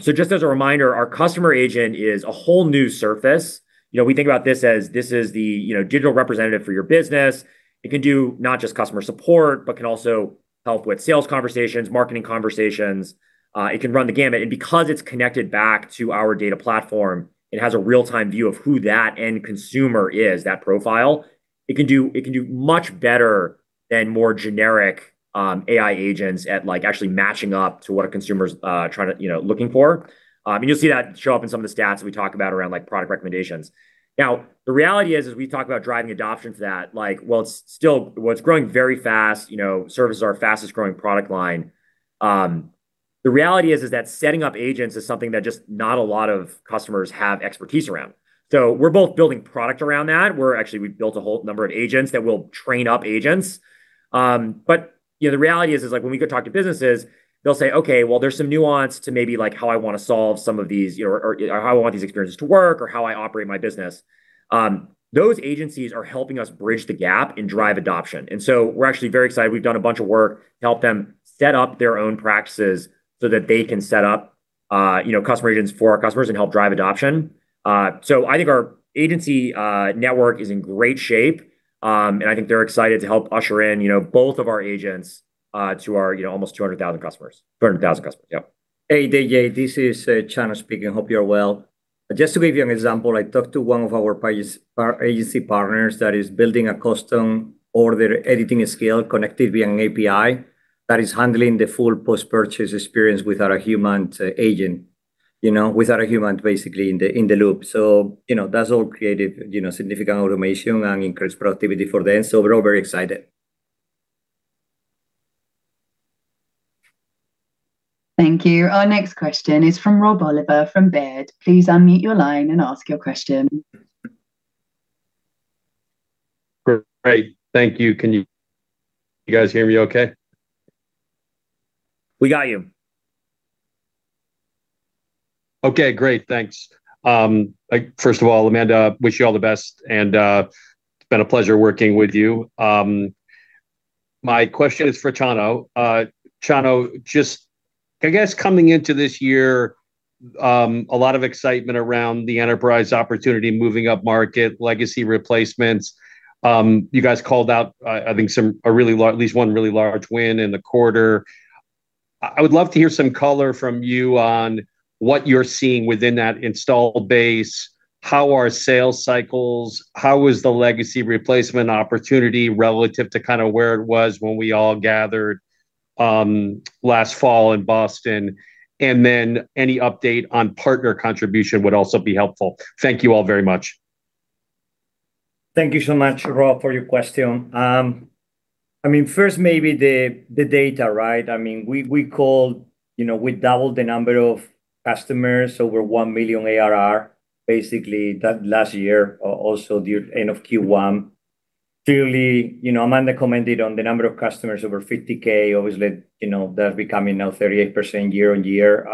Just as a reminder, our Customer Agent is a whole new surface. You know, we think about this as this is the, you know, digital representative for your business. It can do not just customer support, but can also help with sales conversations, marketing conversations. It can run the gamut. Because it's connected back to our data platform, it has a real-time view of who that end consumer is, that profile. It can do much better than more generic AI agents at, like, actually matching up to what a consumer's trying to, you know, looking for. You'll see that show up in some of the stats that we talk about around, like, product recommendations. The reality is, as we talk about driving adoption for that, like, while it's growing very fast, you know, service is our fastest growing product line, the reality is that setting up agents is something that just not a lot of customers have expertise around. We're both building product around that. We're actually, we've built a whole number of agents that will train up agents. You know, the reality is, like, when we go talk to businesses, they'll say, "Okay, well, there's some nuance to maybe, like, how I wanna solve some of these," you know, or, "how I want these experiences to work or how I operate my business." Those agencies are helping us bridge the gap and drive adoption. We're actually very excited. We've done a bunch of work to help them set up their own practices so that they can set up, you know, Customer Agents for our customers and help drive adoption. I think our agency network is in great shape. I think they're excited to help usher in, you know, both of our Agents to our, you know, almost 200,000 customers. 200,000 customers. Yep.
Hey, D.J., this is Chano speaking. Hope you are well. Just to give you an example, I talked to one of our agency partners that is building a custom order editing scale connected via an API that is handling the full post-purchase experience without a human agent, you know, without a human basically in the, in the loop. You know, that's all created, you know, significant automation and increased productivity for them. We're all very excited.
Thank you. Our next question is from Rob Oliver from Baird. Please unmute your line and ask your question.
Great. Thank you. Can you guys hear me okay?
We got you.
Okay, great. Thanks. First of all, Amanda, wish you all the best, and it's been a pleasure working with you. My question is for Chano. Chano, just, I guess coming into this year, a lot of excitement around the enterprise opportunity, moving up market, legacy replacements. You guys called out, I think some, at least one really large win in the quarter. I would love to hear some color from you on what you're seeing within that installed base. How are sales cycles? How is the legacy replacement opportunity relative to kinda where it was when we all gathered last fall in Boston? Any update on partner contribution would also be helpful. Thank you all very much.
Thank you so much, Rob, for your question. I mean, first maybe the data, right? I mean, we called, you know, we doubled the number of customers over $1 million ARR basically that last year, also the end of Q1. Clearly, you know, Amanda commented on the number of customers over 50,000. Obviously, you know, that becoming now 38% year-over-year.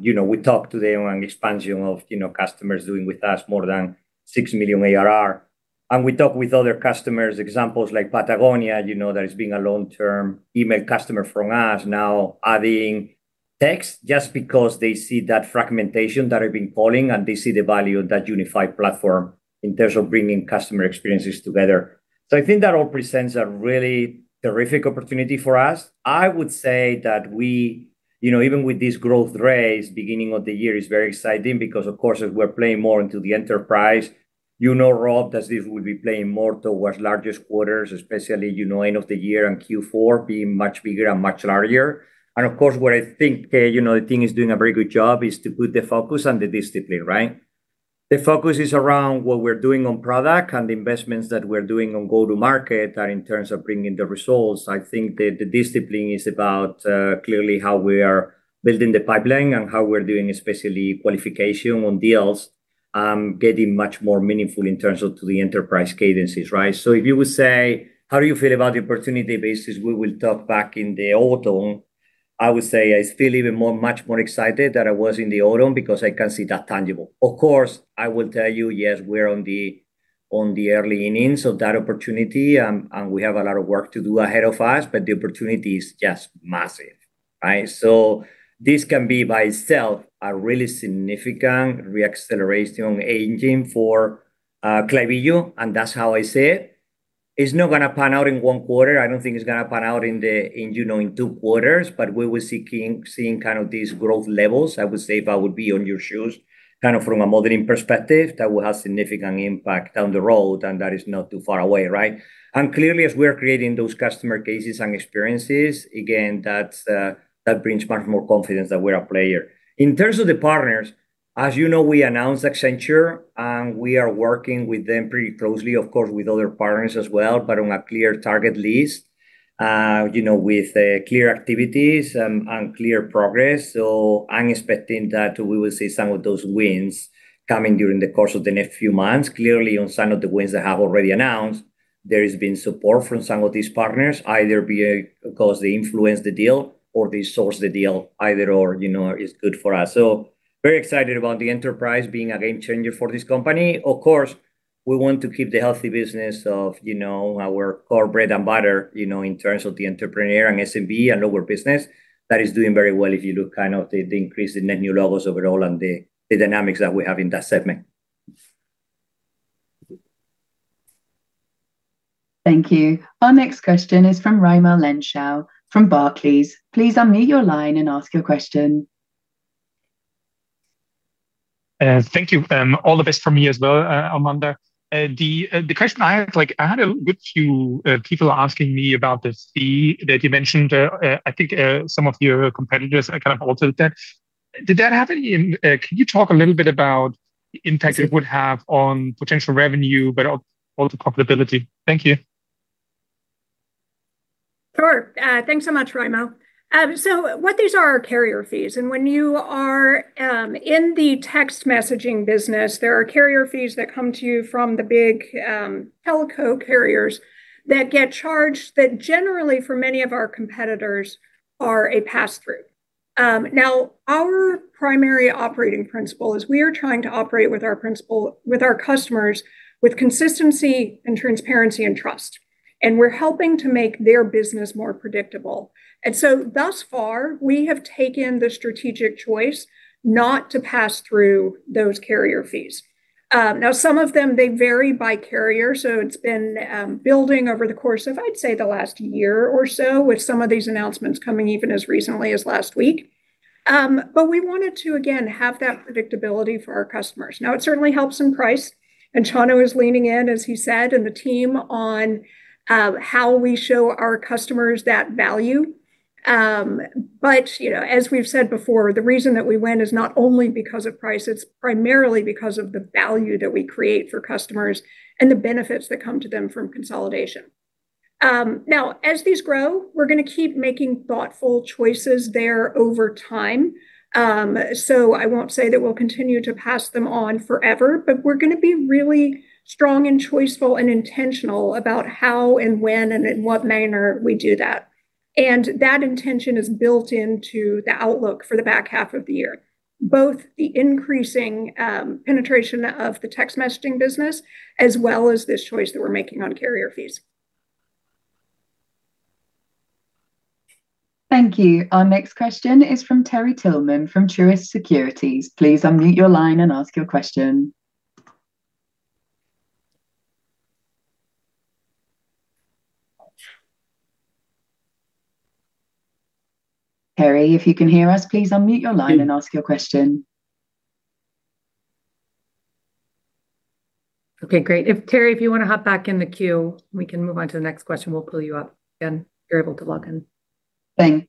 You know, we talked today on expansion of, you know, customers doing with us more than $6 million ARR. We talked with other customers, examples like Patagonia, you know, that is being a long-term email customer from us now adding text just because they see that fragmentation that I've been calling, and they see the value of that unified platform in terms of bringing customer experiences together. I think that all presents a really terrific opportunity for us. I would say that we, you know, even with this growth raise, beginning of the year is very exciting because, of course, as we're playing more into the enterprise, you know, Rob, that this will be playing more towards largest quarters, especially, you know, end of the year and Q4 being much bigger and much larger. Of course, what I think, you know, the team is doing a very good job is to put the focus on the discipline, right? The focus is around what we're doing on product and the investments that we're doing on go-to-market and in terms of bringing the results. I think the discipline is about clearly how we are building the pipeline and how we're doing, especially qualification on deals, getting much more meaningful in terms of to the enterprise cadences, right? If you would say, "How do you feel about the opportunity basis we will talk back in the autumn?" I would say I feel even more, much more excited than I was in the autumn because I can see that tangible. Of course, I will tell you, yes, we're on the early innings of that opportunity and we have a lot of work to do ahead of us, but the opportunity is just massive, right? This can be by itself a really significant re-acceleration engine for Klaviyo, and that's how I see it. It's not gonna pan out in one quarter. I don't think it's gonna pan out in, you know, in two quarters, but we were seeing kind of these growth levels. I would say if I would be on your shoes, kind of from a modeling perspective, that will have significant impact down the road, and that is not too far away, right? Clearly, as we are creating those customer cases and experiences, again, that's that brings much more confidence that we're a player. In terms of the partners, as you know, we announced Accenture, we are working with them pretty closely, of course, with other partners as well, on a clear target list, you know, with clear activities, and clear progress. I'm expecting that we will see some of those wins coming during the course of the next few months. Clearly, on some of the wins I have already announced, there has been support from some of these partners, either because they influence the deal or they source the deal. Either or, you know, is good for us. Very excited about the enterprise being a game changer for this company. Of course, we want to keep the healthy business of, you know, our core bread and butter, you know, in terms of the entrepreneur and SMB and lower business. That is doing very well if you look kind of the increase in net new logos overall and the dynamics that we have in that segment.
Thank you. Our next question is from Raimo Lenschow from Barclays. Please unmute your line and ask your question.
Thank you. All the best from me as well, Amanda. The question I had, like, I had a good few people asking me about the fee that you mentioned. I think some of your competitors have kind of altered that. Can you talk a little bit about the impact it would have on potential revenue, but also profitability? Thank you.
Sure. Thanks so much, Raimo. What these are are carrier fees, and when you are in the text messaging business, there are carrier fees that come to you from the big telco carriers that get charged that generally for many of our competitors are a pass-through. Now our primary operating principle is we are trying to operate with our principle, with our customers with consistency and transparency and trust, and we're helping to make their business more predictable. Thus far, we have taken the strategic choice not to pass through those carrier fees. Now some of them, they vary by carrier, so it's been building over the course of, I'd say, the last year or so, with some of these announcements coming even as recently as last week. We wanted to, again, have that predictability for our customers. It certainly helps in price. Chano is leaning in, as he said, and the team on how we show our customers that value. You know, as we've said before, the reason that we win is not only because of price, it's primarily because of the value that we create for customers and the benefits that come to them from consolidation. As these grow, we're gonna keep making thoughtful choices there over time. I won't say that we'll continue to pass them on forever, but we're gonna be really strong and choiceful and intentional about how and when and in what manner we do that. That intention is built into the outlook for the back half of the year, both the increasing penetration of the text messaging business as well as this choice that we're making on carrier fees.
Thank you. Our next question is from Terry Tillman from Truist Securities. Please unmute your line and ask your question. Terry, if you can hear us, please unmute your line and ask your question.
Okay, great. Terry, if you wanna hop back in the queue, we can move on to the next question. We'll pull you up again if you're able to log in.
Thank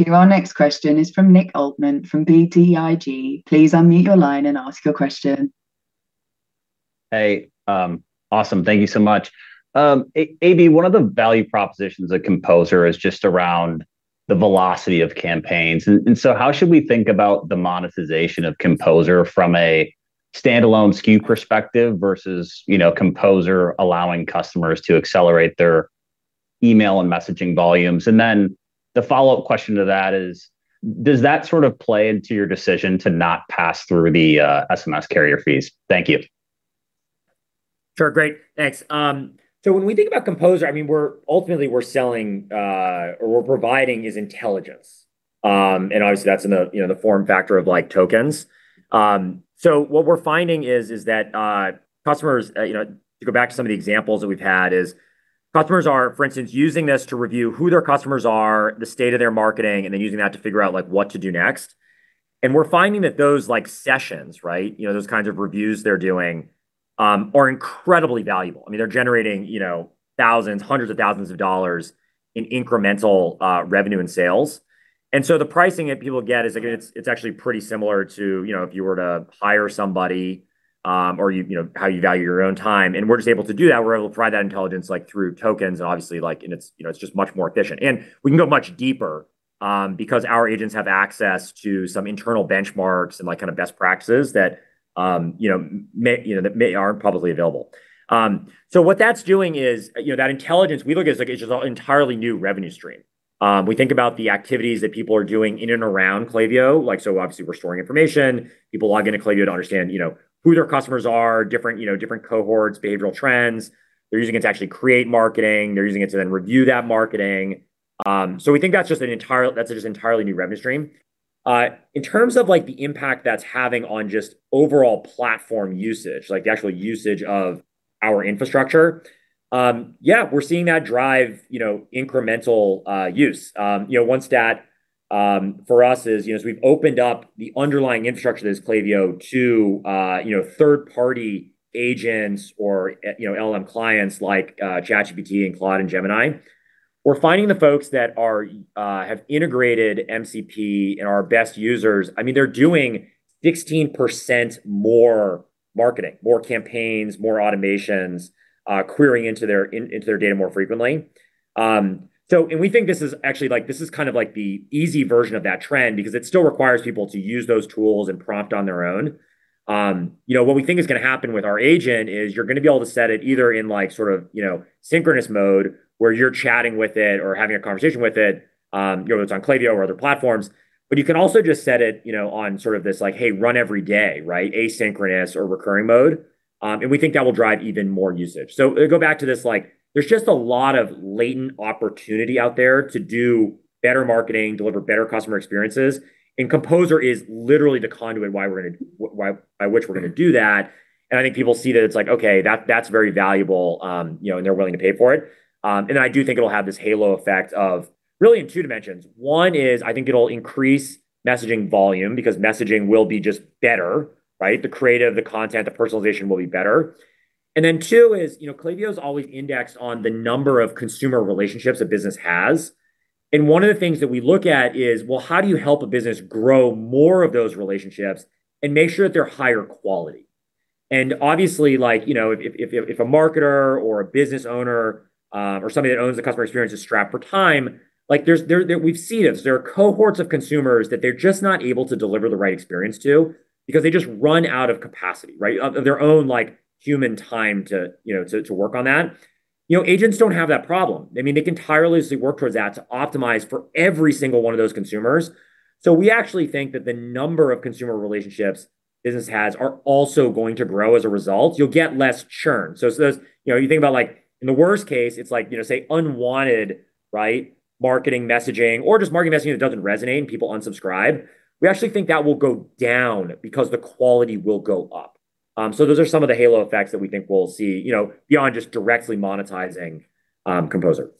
you. Our next question is from Nick Altmann from BTIG. Please unmute your line and ask your question.
Hey. Awesome. Thank you so much. AB, one of the value propositions of Composer is just around the velocity of campaigns. How should we think about the monetization of Composer from a standalone SKU perspective versus, you know, Composer allowing customers to accelerate their email and messaging volumes? The follow-up question to that is, does that sort of play into your decision to not pass through the SMS carrier fees? Thank you.
Sure, great. Thanks. When we think about Composer, I mean, ultimately, we're selling or we're providing is intelligence. Obviously, that's in the, you know, the form factor of, like, tokens. What we're finding is that customers, you know, to go back to some of the examples that we've had is customers are, for instance, using this to review who their customers are, the state of their marketing, and then using that to figure out, like, what to do next. We're finding that those, like, sessions, right, you know, those kinds of reviews they're doing, are incredibly valuable. I mean, they're generating, you know, thousands, hundreds of thousands of dollars in incremental revenue and sales. The pricing that people get is, again, it's actually pretty similar to, you know, if you were to hire somebody. Or you know, how you value your own time. We're just able to do that. We're able to provide that intelligence, like, through tokens and obviously, like, and it's, you know, it's just much more efficient. We can go much deeper because our agents have access to some internal benchmarks and, like, kind of best practices that, you know, aren't publicly available. What that's doing is, you know, that intelligence, we look at it as, like, it's just an entirely new revenue stream. We think about the activities that people are doing in and around Klaviyo. Like, obviously we're storing information. People log in to Klaviyo to understand, you know, who their customers are, different, you know, different cohorts, behavioral trends. They're using it to actually create marketing. They're using it to then review that marketing. We think that's just an entirely new revenue stream. In terms of, like, the impact that's having on just overall platform usage, like the actual usage of our infrastructure, yeah, we're seeing that drive, you know, incremental use. You know, one stat for us is, you know, as we've opened up the underlying infrastructure that is Klaviyo to, you know, third-party agents or, you know, LLM clients like, ChatGPT and Claude and Gemini, we're finding the folks that are integrated MCP and are our best users, I mean, they're doing 16% more marketing, more campaigns, more automations, querying into their data more frequently. We think this is actually, like, this is kind of like the easy version of that trend because it still requires people to use those tools and prompt on their own. You know, what we think is gonna happen with our agent is you're gonna be able to set it either in, like, sort of, you know, synchronous mode where you're chatting with it or having a conversation with it, you know, whether it's on Klaviyo or other platforms, but you can also just set it, you know, on sort of this like, hey, run every day, right? Asynchronous or recurring mode. We think that will drive even more usage. Go back to this, like, there's just a lot of latent opportunity out there to do better marketing, deliver better customer experiences, and Composer is literally the conduit by which we're going to do that. I think people see that it's like, okay, that's very valuable, you know, and they're willing to pay for it. I do think it'll have this halo effect of really in two dimensions. One is I think it'll increase messaging volume because messaging will be just better, right? The creative, the content, the personalization will be better. Then two is, you know, Klaviyo's always indexed on the number of consumer relationships a business has, and one of the things that we look at is, well, how do you help a business grow more of those relationships and make sure that they're higher quality? Obviously, like, you know, if a marketer or a business owner, or somebody that owns a customer experience is strapped for time, like there, we've seen this. There are cohorts of consumers that they're just not able to deliver the right experience to because they just run out of capacity, right? Of their own, like, human time to, you know, to work on that. You know, agents don't have that problem. I mean, they can tirelessly work towards that to optimize for every single one of those consumers. We actually think that the number of consumer relationships business has are also going to grow as a result. You'll get less churn. As, you know, you think about, like, in the worst case, it's like, you know, say unwanted, right, marketing messaging or just marketing messaging that doesn't resonate and people unsubscribe. We actually think that will go down because the quality will go up. Those are some of the halo effects that we think we'll see, you know, beyond just directly monetizing Composer.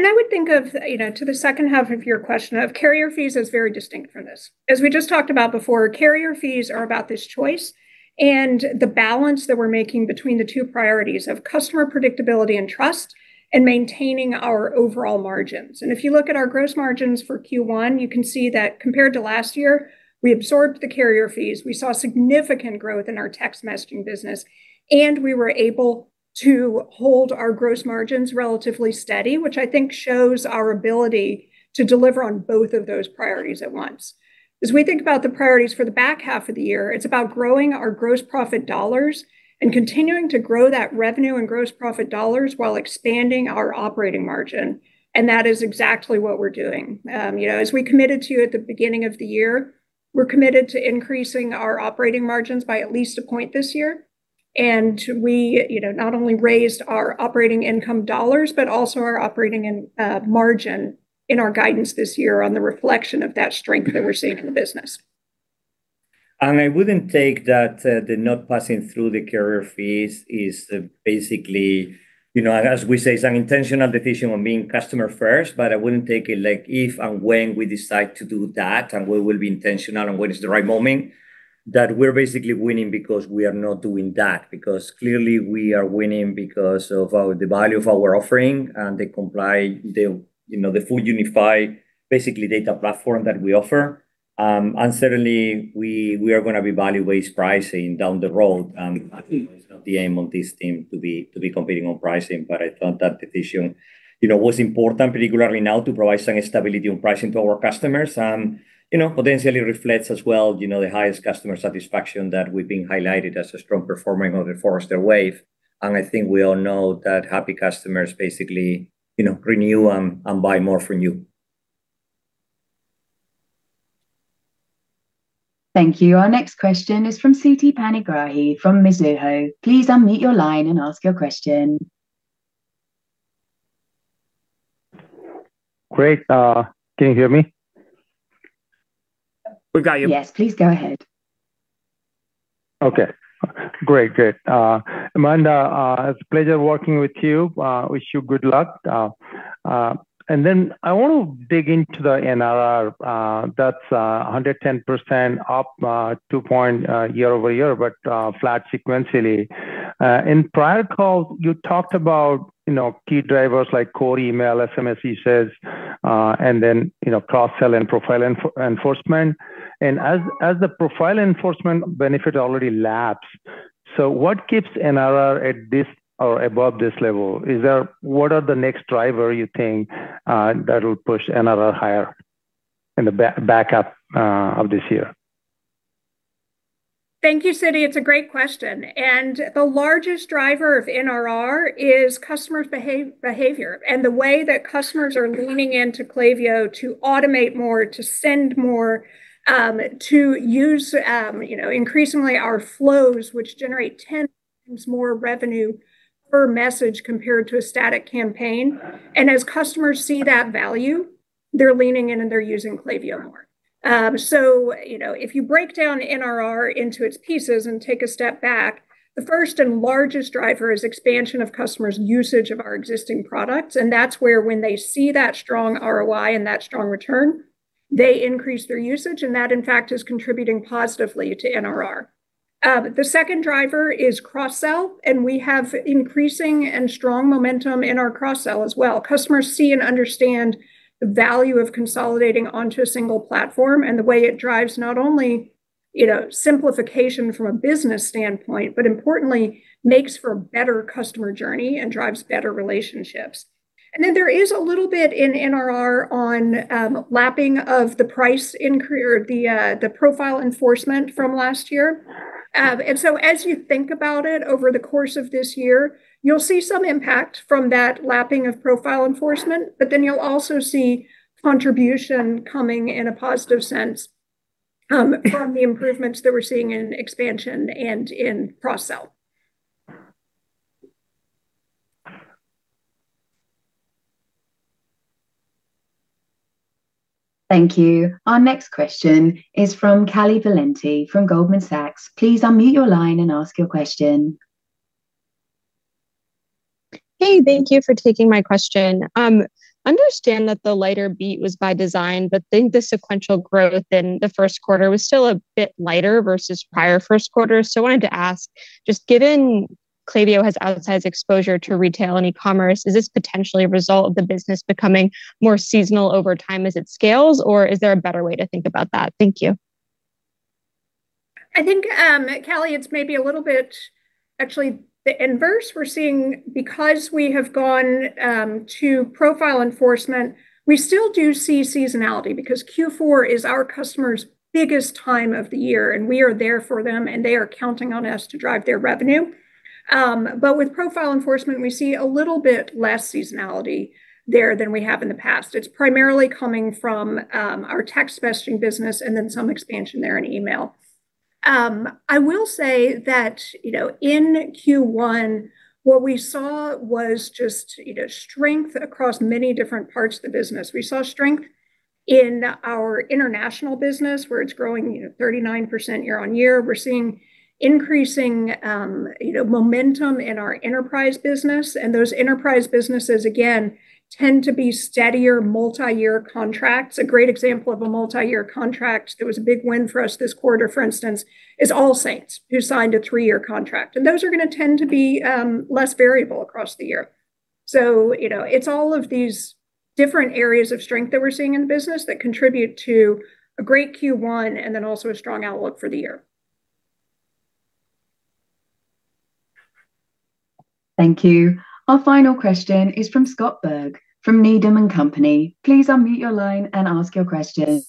I would think of, you know, to the second half of your question of carrier fees as very distinct from this. As we just talked about before, carrier fees are about this choice and the balance that we're making between the two priorities of customer predictability and trust and maintaining our overall margins. If you look at our gross margins for Q1, you can see that compared to last year, we absorbed the carrier fees. We saw significant growth in our text messaging business, and we were able to hold our gross margins relatively steady, which I think shows our ability to deliver on both of those priorities at once. As we think about the priorities for the back half of the year, it's about growing our gross profit dollars and continuing to grow that revenue and gross profit dollars while expanding our operating margin, and that is exactly what we're doing. You know, as we committed to at the beginning of the year, we're committed to increasing our operating margins by at least a point this year. We, you know, not only raised our operating income dollars but also our operating margin in our guidance this year on the reflection of that strength that we're seeing in the business.
I wouldn't take that, the not passing through the carrier fees is basically, you know, as we say, it's an intentional decision on being customer first. I wouldn't take it like if and when we decide to do that, and we will be intentional on when is the right moment, that we're basically winning because we are not doing that. Clearly we are winning because of our, the value of our offering and you know, the full unified basically data platform that we offer. Certainly we are gonna be value-based pricing down the road, and it's not the aim of this team to be competing on pricing. I thought that decision, you know, was important, particularly now to provide some stability on pricing to our customers. You know, potentially reflects as well, you know, the highest customer satisfaction that we've been highlighted as a strong performer on The Forrester Wave. I think we all know that happy customers basically, you know, renew and buy more from you.
Thank you. Our next question is from Siti Panigrahi from Mizuho. Please unmute your line and ask your question.
Great. Can you hear me?
We've got you.
Yes. Please go ahead.
Okay. Great. Great. Amanda, it's a pleasure working with you. Wish you good luck. I want to dig into the NRR. That's 110% up 2 point year-over-year, flat sequentially. In prior calls, you talked about, you know, key drivers like core email, SMS usage, and then, you know, cross-sell and profile enforcement. As the profile enforcement benefit already lapsed, what keeps NRR at this or above this level? What are the next drivers you think, that'll push NRR higher in the back half of this year?
Thank you, Siti. It's a great question. The largest driver of NRR is customers behavior and the way that customers are leaning into Klaviyo to automate more, to send more, you know, increasingly our flows, which generate 10x more revenue per message compared to a static campaign. As customers see that value, they're leaning in, and they're using Klaviyo more. You know, if you break down NRR into its pieces and take a step back, the first and largest driver is expansion of customers' usage of our existing products, and that's where when they see that strong ROI and that strong return, they increase their usage, and that in fact is contributing positively to NRR. The second driver is cross-sell, and we have increasing and strong momentum in our cross-sell as well. Customers see and understand the value of consolidating onto a single platform and the way it drives not only, you know, simplification from a business standpoint but importantly makes for a better customer journey and drives better relationships. There is a little bit in NRR on lapping of the price or the profile enforcement from last year. As you think about it over the course of this year, you'll see some impact from that lapping of profile enforcement, you'll also see contribution coming in a positive sense from the improvements that we're seeing in expansion and in cross-sell.
Thank you. Our next question is from Callie Valenti from Goldman Sachs. Please unmute your line and ask your question.
Hey, thank you for taking my question. Understand that the lighter beat was by design, but then the sequential growth in the first quarter was still a bit lighter versus prior first quarter. I wanted to ask, just given Klaviyo has outsized exposure to retail and e-commerce, is this potentially a result of the business becoming more seasonal over time as it scales, or is there a better way to think about that? Thank you.
I think, Callie, it's maybe a little bit actually the inverse we're seeing because we have gone to profile enforcement. We still do see seasonality because Q4 is our customers' biggest time of the year, and we are there for them, and they are counting on us to drive their revenue. With profile enforcement, we see a little bit less seasonality there than we have in the past. It's primarily coming from our text messaging business and then some expansion there in email. I will say that, you know, in Q1, what we saw was just, you know, strength across many different parts of the business. We saw strength in our international business, where it's growing, you know, 39% year-on-year. We're seeing increasing, you know, momentum in our enterprise business, and those enterprise businesses, again, tend to be steadier multi-year contracts. A great example of a multi-year contract that was a big win for us this quarter, for instance, is AllSaints, who signed a three-year contract, and those are gonna tend to be less variable across the year. You know, it's all of these different areas of strength that we're seeing in the business that contribute to a great Q1 and then also a strong outlook for the year.
Thank you. Our final question is from Scott Berg from Needham & Company. Please unmute your line and ask your question.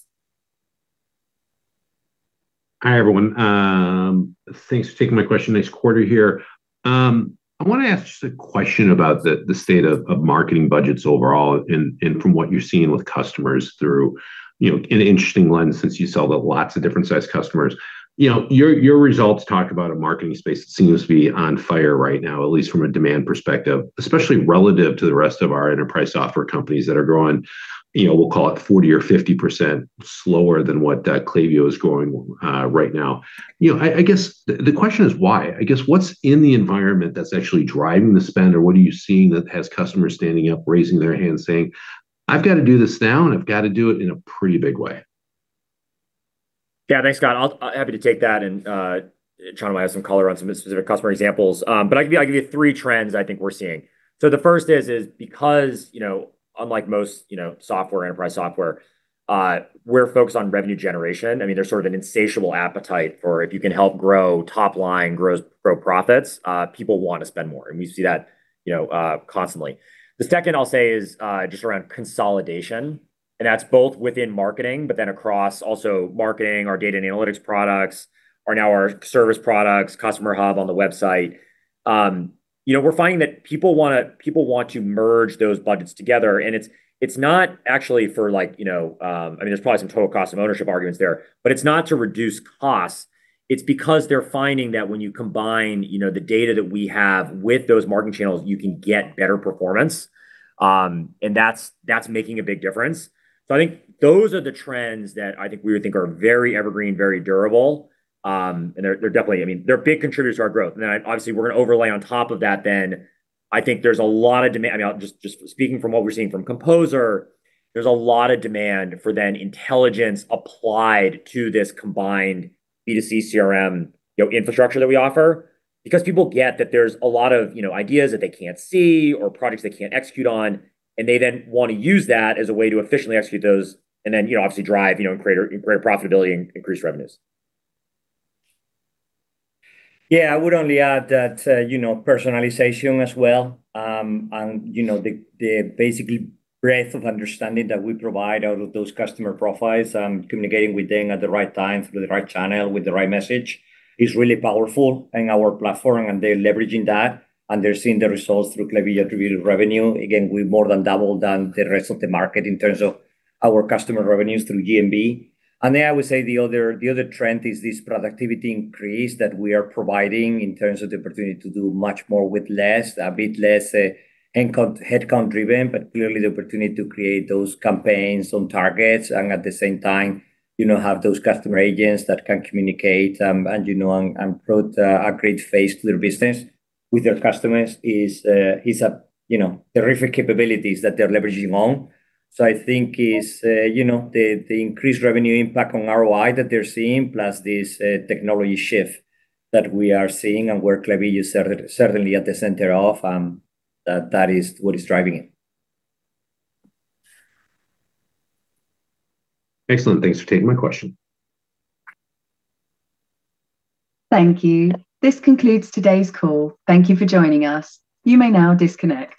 Hi, everyone. Thanks for taking my question. Nice quarter here. I wanna ask just a question about the state of marketing budgets overall and from what you're seeing with customers through, you know, an interesting lens since you sell to lots of different sized customers. You know, your results talk about a marketing space that seems to be on fire right now, at least from a demand perspective, especially relative to the rest of our enterprise software companies that are growing, you know, we'll call it 40% or 50% slower than what Klaviyo is growing right now. You know, I guess the question is why? I guess, what's in the environment that's actually driving the spend, or what are you seeing that has customers standing up, raising their hand, saying, "I've got to do this now, and I've got to do it in a pretty big way"?
Yeah. Thanks, Scott. I'll happy to take that, Chano might have some color on some specific customer examples. I can give you three trends I think we're seeing. The first is because, you know, unlike most, you know, software, enterprise software, we're focused on revenue generation. I mean, there's sort of an insatiable appetite for if you can help grow top line, grow profits, people wanna spend more, and we see that, you know, constantly. The second I'll say is just around consolidation, that's both within marketing but then across also marketing, our data and analytics products or now our service products, Customer Hub on the website. You know, we're finding that people want to merge those budgets together, and it's not actually for, like, you know, I mean, there's probably some total cost of ownership arguments there, but it's not to reduce costs. It's because they're finding that when you combine, you know, the data that we have with those marketing channels, you can get better performance. That's making a big difference. I think those are the trends that I think we would think are very evergreen, very durable. They're definitely I mean, they're big contributors to our growth. Obviously we're gonna overlay on top of that then, I think there's a lot of demand. I mean, I'll just speaking from what we're seeing from Composer, there's a lot of demand for then intelligence applied to this combined B2C CRM, you know, infrastructure that we offer because people get that there's a lot of, you know, ideas that they can't see or projects they can't execute on. They then wanna use that as a way to efficiently execute those and then, you know, obviously drive, you know, greater profitability and increased revenues.
Yeah. I would only add that, you know, personalization as well, and, you know, the basically breadth of understanding that we provide out of those customer profiles, communicating with them at the right time through the right channel with the right message is really powerful in our platform. They're leveraging that, and they're seeing the results through Klaviyo attributed revenue. We more than doubled than the rest of the market in terms of our customer revenues through GMV. I would say the other trend is this productivity increase that we are providing in terms of the opportunity to do much more with less, a bit less headcount driven, but clearly the opportunity to create those campaigns on targets and at the same time, you know, have those Customer Agents that can communicate and, you know, and put a great face to their business with their customers is a, you know, terrific capabilities that they're leveraging on. I think is, you know, the increased revenue impact on ROI that they're seeing, plus this technology shift that we are seeing and where Klaviyo is certainly at the center of, that is what is driving it.
Excellent. Thanks for taking my question.
Thank you. This concludes today's call. Thank you for joining us. You may now disconnect.